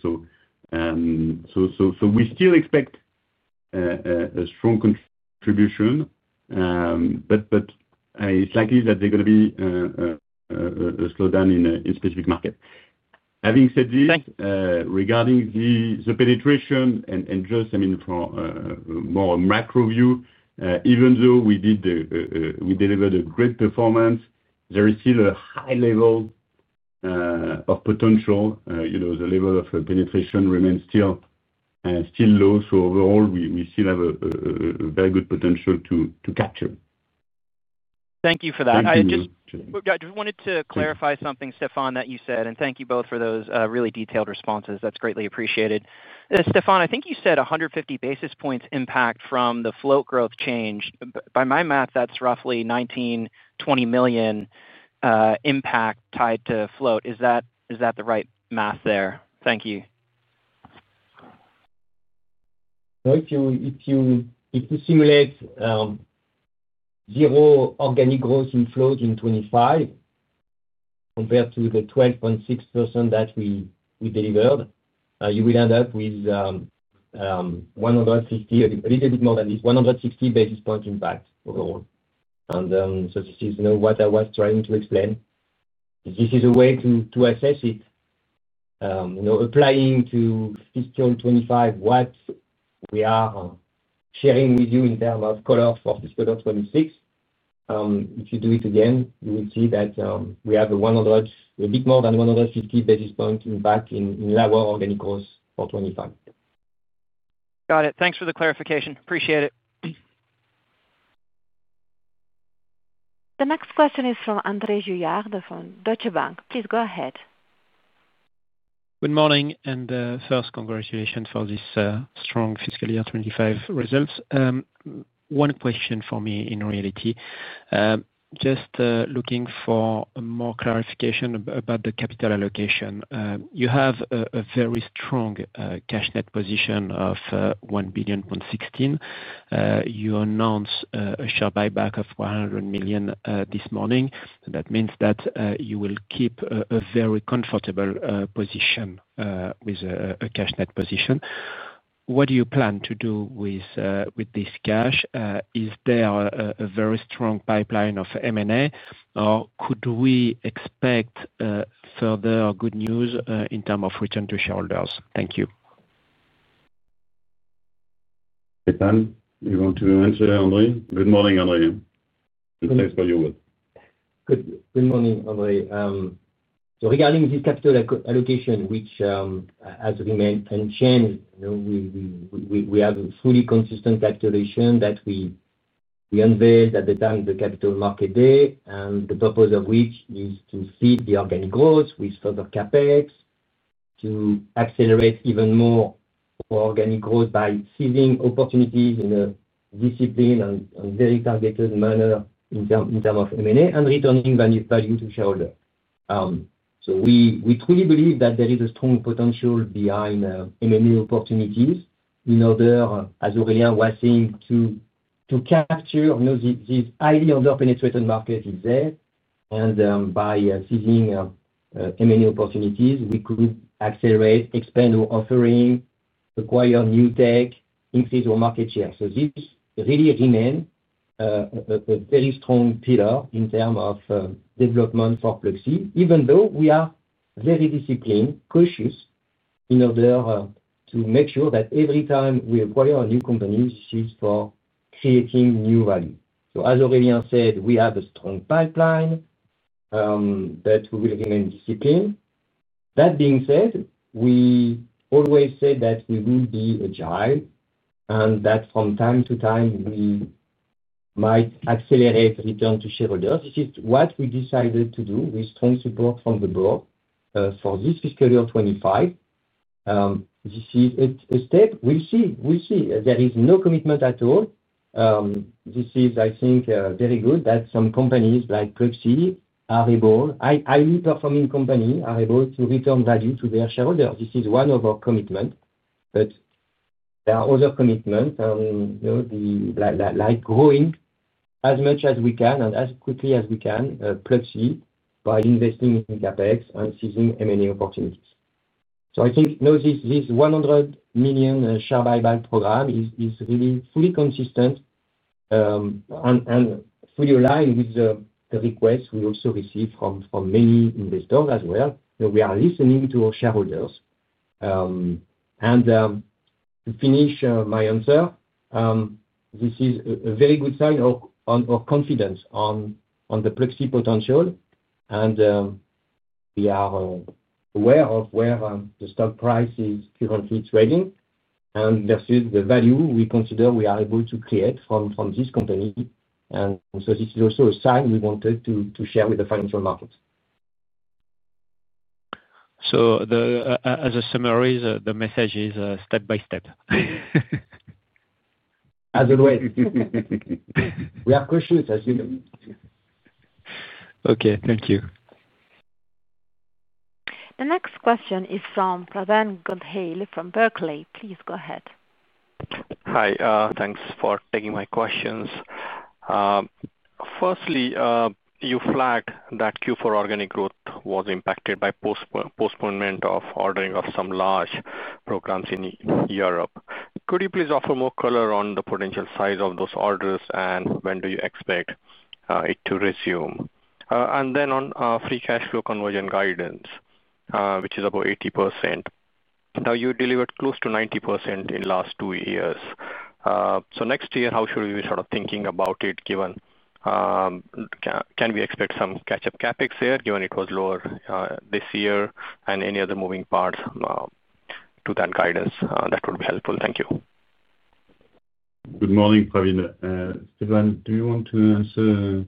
We still expect a strong contribution but it's likely that there is going to be a slowdown in specific market. Having said this, regarding the penetration and just for more macro view, even though we delivered a great performance, there is still a high level of potential. The level of penetration remains still low. Overall we still have a very good potential to capture. Thank you for that. I just wanted to clarify something, Stéphane, that you said, and thank you both for those really detailed responses. That's greatly appreciated. Stéphane, I think you said 150 basis points impact from the float growth change. By my math, that's roughly $19 million-$20 million impact tied to float. Is that the right math there? Thank you. If you simulate zero organic growth in float in 2025 compared to the 12.6% that we delivered, you will end up with 150, a little bit more than this 160 basis point impact overall. This is what I was trying to explain. This is a way to assess it applying to fiscal 2025, what we are sharing with you in terms of color for fiscal 2026. If you do it again, you will see that we have a bit more than 150 basis points impact in lower organic growth. Got it. Thanks for the clarification. Appreciate it. The next question is from Andre Juillard from Deutsche Bank. Please go ahead. Good morning and first, congratulations for this strong fiscal year 2025 results. One question for me. In reality, just looking for more clarification about the capital allocation, you have a very strong cash net position of $1.16 billion. You announce a share buyback of $100 million this morning. That means that you will keep a very comfortable position with a cash net position. What do you plan to do with this cash? Is there a very strong pipeline of M&A or could we expect further good news in terms of return to shareholders? Thank you. You want to answer, Andre? Good morning, Andre. Thanks for your word. Good morning, Andre. Regarding this capital allocation which has remained unchanged, we have a fully consistent calculation that we unveiled at the time of the capital market day, the purpose of which is to see the organic growth with further CapEx to accelerate even more organic growth by seizing opportunities in a disciplined and very targeted manner in terms of M&A and returning value to shareholders. We truly believe that there is a strong potential behind M&A opportunities in order, as Aurélien was saying, to capture this ideal drop in its return market is there. By seizing many opportunities we could accelerate, expand our offering, acquire new tech, increase our market share. This really remains a very strong pillar in terms of development for Pluxee. Even though we are very disciplined, cautious in order to make sure that every time we acquire a new company, creating new value. As Aurélien said, we have a strong pipeline that will remain disciplined. That being said, we always say that we will be agile and that from time to time we might accelerate return to shareholders. This is what we decided to do with strong support from the board for this fiscal year 2025. This is a step we'll see. We'll see there is no commitment at all. I think it is very good that some companies like Pluxee are able, performing company, are able to return value to their shareholders. This is one of our commitments. There are other commitments like growing as much as we can and as quickly as we can Pluxee by investing in CapEx and seizing M&A opportunities. I think this $100 million share buyback program is really fully consistent and fully aligned with the requests we also received from many investors as well. We are listening to our shareholders. To finish my answer, this is a very good sign of confidence on the Pluxee potential and we are aware of where the stock price is currently trading and versus the value we consider we are able to create from this company. This is also a sign we wanted to share with the financial market. As a summary, the message is step by step. As always, we have questions, as you know. Okay, thank you. The next question is from Pravin Gondhale from Barclays. Please go ahead. Hi, thanks for taking my questions. Firstly, you flagged that Q4 organic growth was impacted by postponement of ordering of some large programs in Europe. Could you please offer more color on the potential size of those orders and when you expect it to resume? On free cash flow conversion guidance, which is about 80% now, you delivered close to 90% in the last two years. Next year, how should we be sort of thinking about it given can we expect some catch up CapEx there given it was lower this year and any other moving parts to that guidance that would be helpful. Thank you. Good morning, Pravin. Stéphane, do you want to answer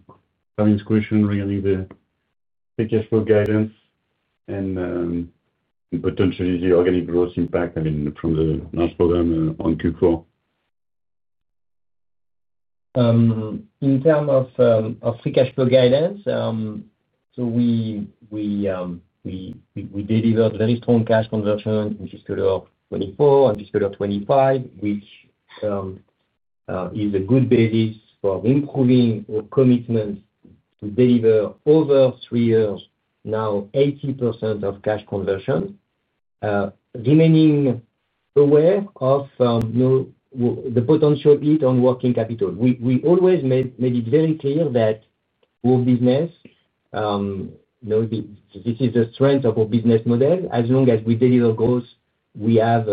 Pravin's question regarding the free cash flow guidance and potentially the organic growth impact, I mean from the NAS program on Q4. In terms of free cash flow guidance, we delivered very strong cash conversion in fiscal year 2024 and fiscal year 2025, which is a good basis for improving commitments to deliver over three years. Now 80% of cash conversion, remaining aware of the potential hit on working capital, we always made it very clear that whole business, this is the strength of our business model. As long as we deliver growth, we have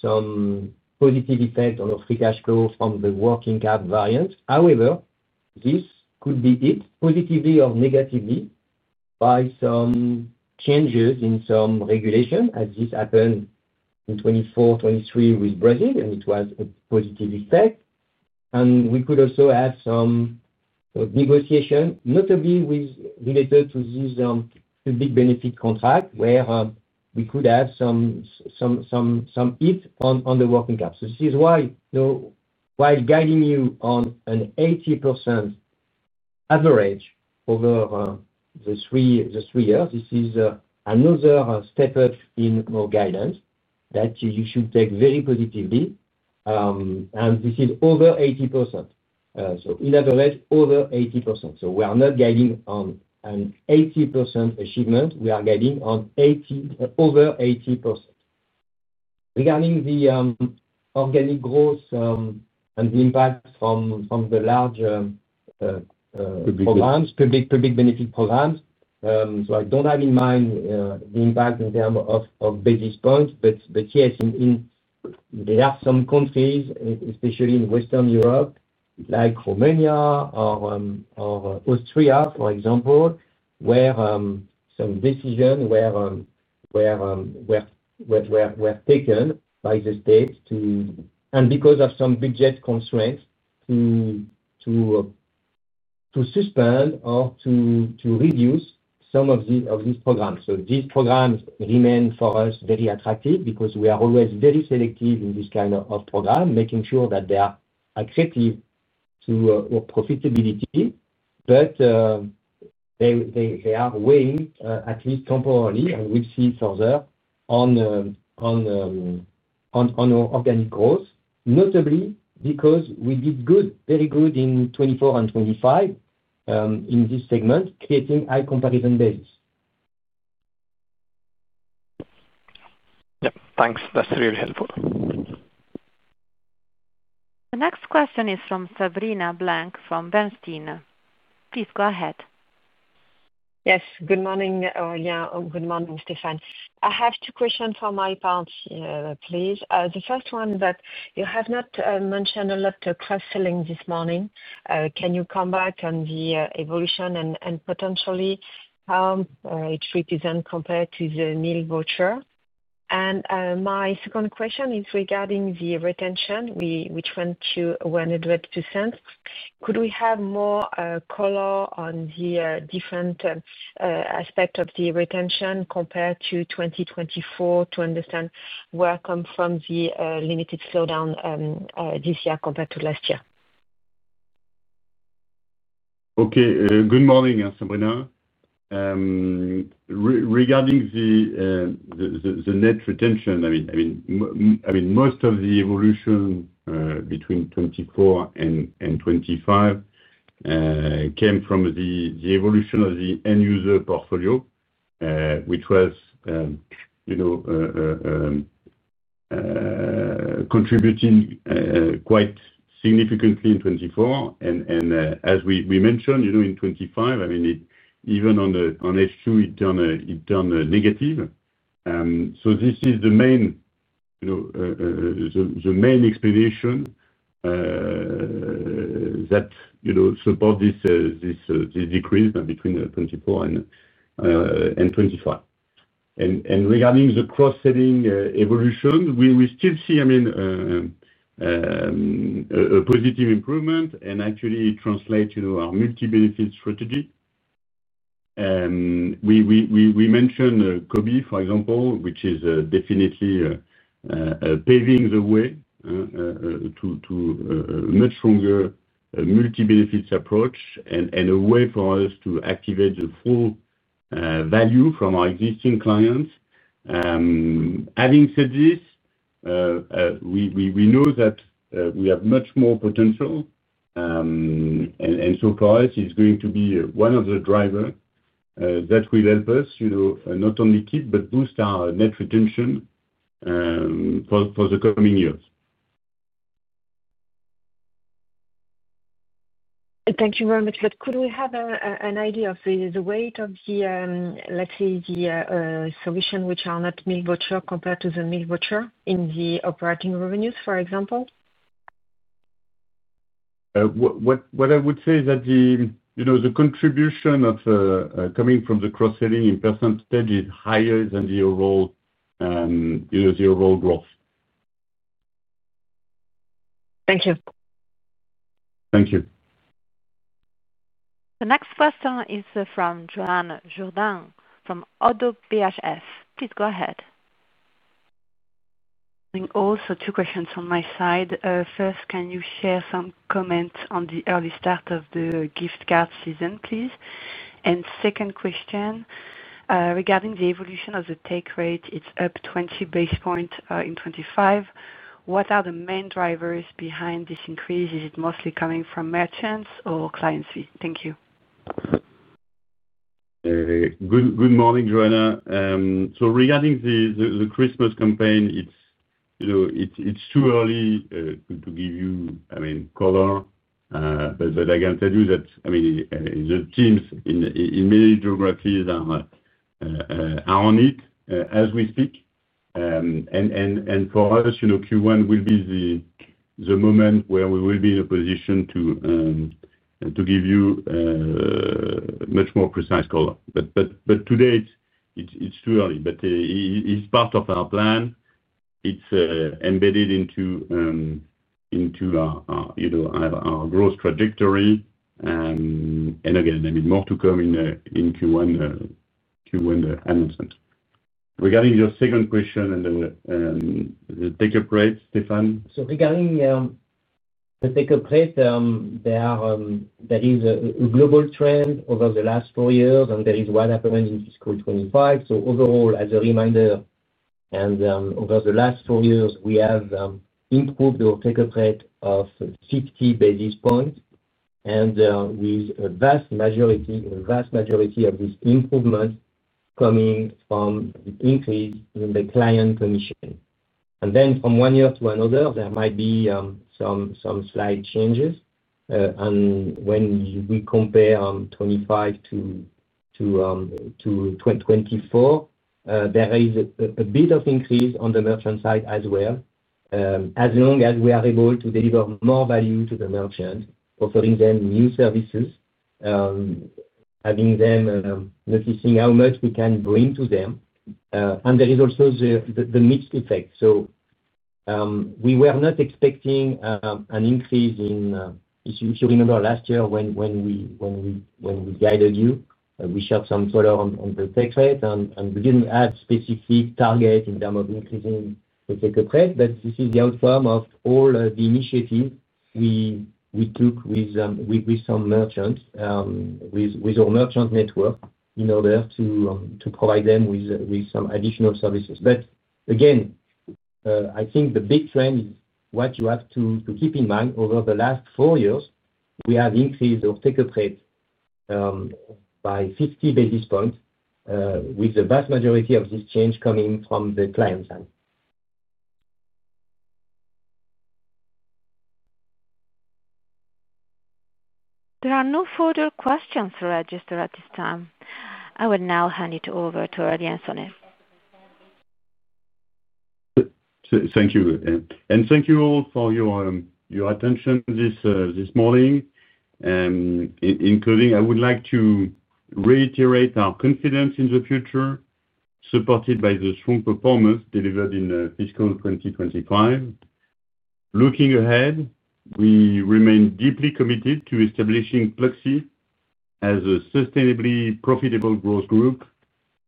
some positive effect on our free cash flow from the working cap variance. However, this could be hit positively or negatively by some changes in some regulation, as this happened in 2024, 2023 with Brazil and it was a positive effect. We could also add some negotiation, notably related to this big benefit contract, where we could have some hit on the working cap. This is why guiding you on an 80% average over the three years, this is another step up in more guidance that you should take very positively. This is over 80%, so in other words, over 80%. We are not guiding on an 80% achievement, we are guiding on over 80% regarding the organic growth and the impact from the large public benefit programs. I don't have in mind the impact in terms of basis points. Yes, there are some countries, especially in Western Europe, like Romania or Austria for example, where some decisions were taken by the state and because of some budget constraints to suspend or to reduce some of these programs. These programs remain for us very attractive because we are always very selective in this kind of program, making sure that they are accretive to profitability, but they are weighing at least temporarily. We see further. On organic growth, notably because we did good, very good in 2024 and 2025 in this segment, creating high comparison basis. Thanks, that's really helpful. The next question is from Sabrina Blanc from Bernstein. Please go ahead. Yes, good morning. Good morning, Stéphane. I have two questions for my part please. The first one that you have not mentioned a lot of cross-selling this morning. Can you come back on the evolution and potential it represents compared to the meal voucher? My second question is regarding the retention which went to 100%. Could we have more color on the different aspect of the retention compared to 2024 to understand where come from the limited slowdown this year compared to last year? Okay. Good morning, Sabrina. Regarding the net retention, most of the evolution between 2024 and 2025 came from the evolution of the end user portfolio, which was, you know, contributing quite significantly in 2024. As we mentioned, in 2025, even on the H2 it turned negative. This is the main explanation that supports this decrease between 2024 and 2025. Regarding the cross-selling evolution, we will still see a positive improvement and actually translate into our multi benefit strategy. We mentioned Cobee, for example, which is definitely paving the way to a much stronger multi benefit approach and a way for us to activate the full value from our existing clients. Having said this, we know that we have much more potential and for us it is going to be one of the drivers that will help us not only keep but boost our net retention for the coming years. Thank you very much. Could we have an idea of the weight of the, let's say, the solution which are net meal voucher compared to the meal voucher in the operating revenues, for example. What I would say is that the contribution of coming from the cross-selling in percentage is higher than the overall growth. Thank you. Thank you. The next question is from Joanne Jordan from ODDO BHF. Please go ahead. Also, two questions on my side. First, can you share some comments on the early start of the Gift card season, please? Second question regarding the evolution of the take rate, it's up 20 basis points in 2025. What are the main drivers behind this increase? Is it mostly coming from merchants or clients? Fee? Thank you. Good morning Joanne. Regarding the Christmas campaign, it's too early to give you color, but I can tell you that the teams in many geographies are on it as we speak. For us, Q1 will be the moment where we will be in a position to give you much more precise color. Today it's too early, but it's part of our plan. It's embedded into our growth trajectory, and again, more to come in the Q1 announcement. Regarding your second question and the take up rate, Stéphane. Regarding the take up rate, there is a global trend over the last four years and there is what happened in fiscal 2025. Overall, as a reminder, over the last four years we have improved our take up rate by 50 basis points, with a vast majority of these improvements coming from an increase in the client commission. From one year to another, there might be some slight changes. When we compare 2025 to 2024, there is a bit of increase on the merchant side as well, as long as we are able to deliver more value to the merchant, offering them new services, having them noticing how much we can bring to them. There is also the mix effect. We were not expecting an increase in, if you remember last year when we guided you, we shared some color on the take up rate and we didn't have a specific target in terms of increasing take up rates. This is the outcome of all the initiatives we took with some merchants, with our merchant network, in order to provide them with some additional services. Again, the big trend is what you have to keep in mind. Over the last four years, we have increased our take up rate by 50 basis points, with the vast majority of this change coming from the client side. There are no further questions registered at this time. I will now hand it over to Aurélien Sonet. Thank you and thank you all for your attention this morning. I would like to reiterate our confidence in the future supported by the strong performance delivered in fiscal 2025. Looking ahead, we remain deeply committed to establishing Pluxee as a sustainably profitable growth group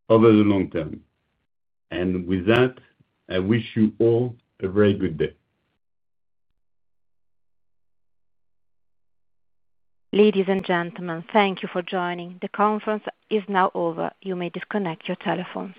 over the long term. I wish you all a very good day. Ladies and gentlemen, thank you for joining. The conference is now over. You may disconnect your telephone.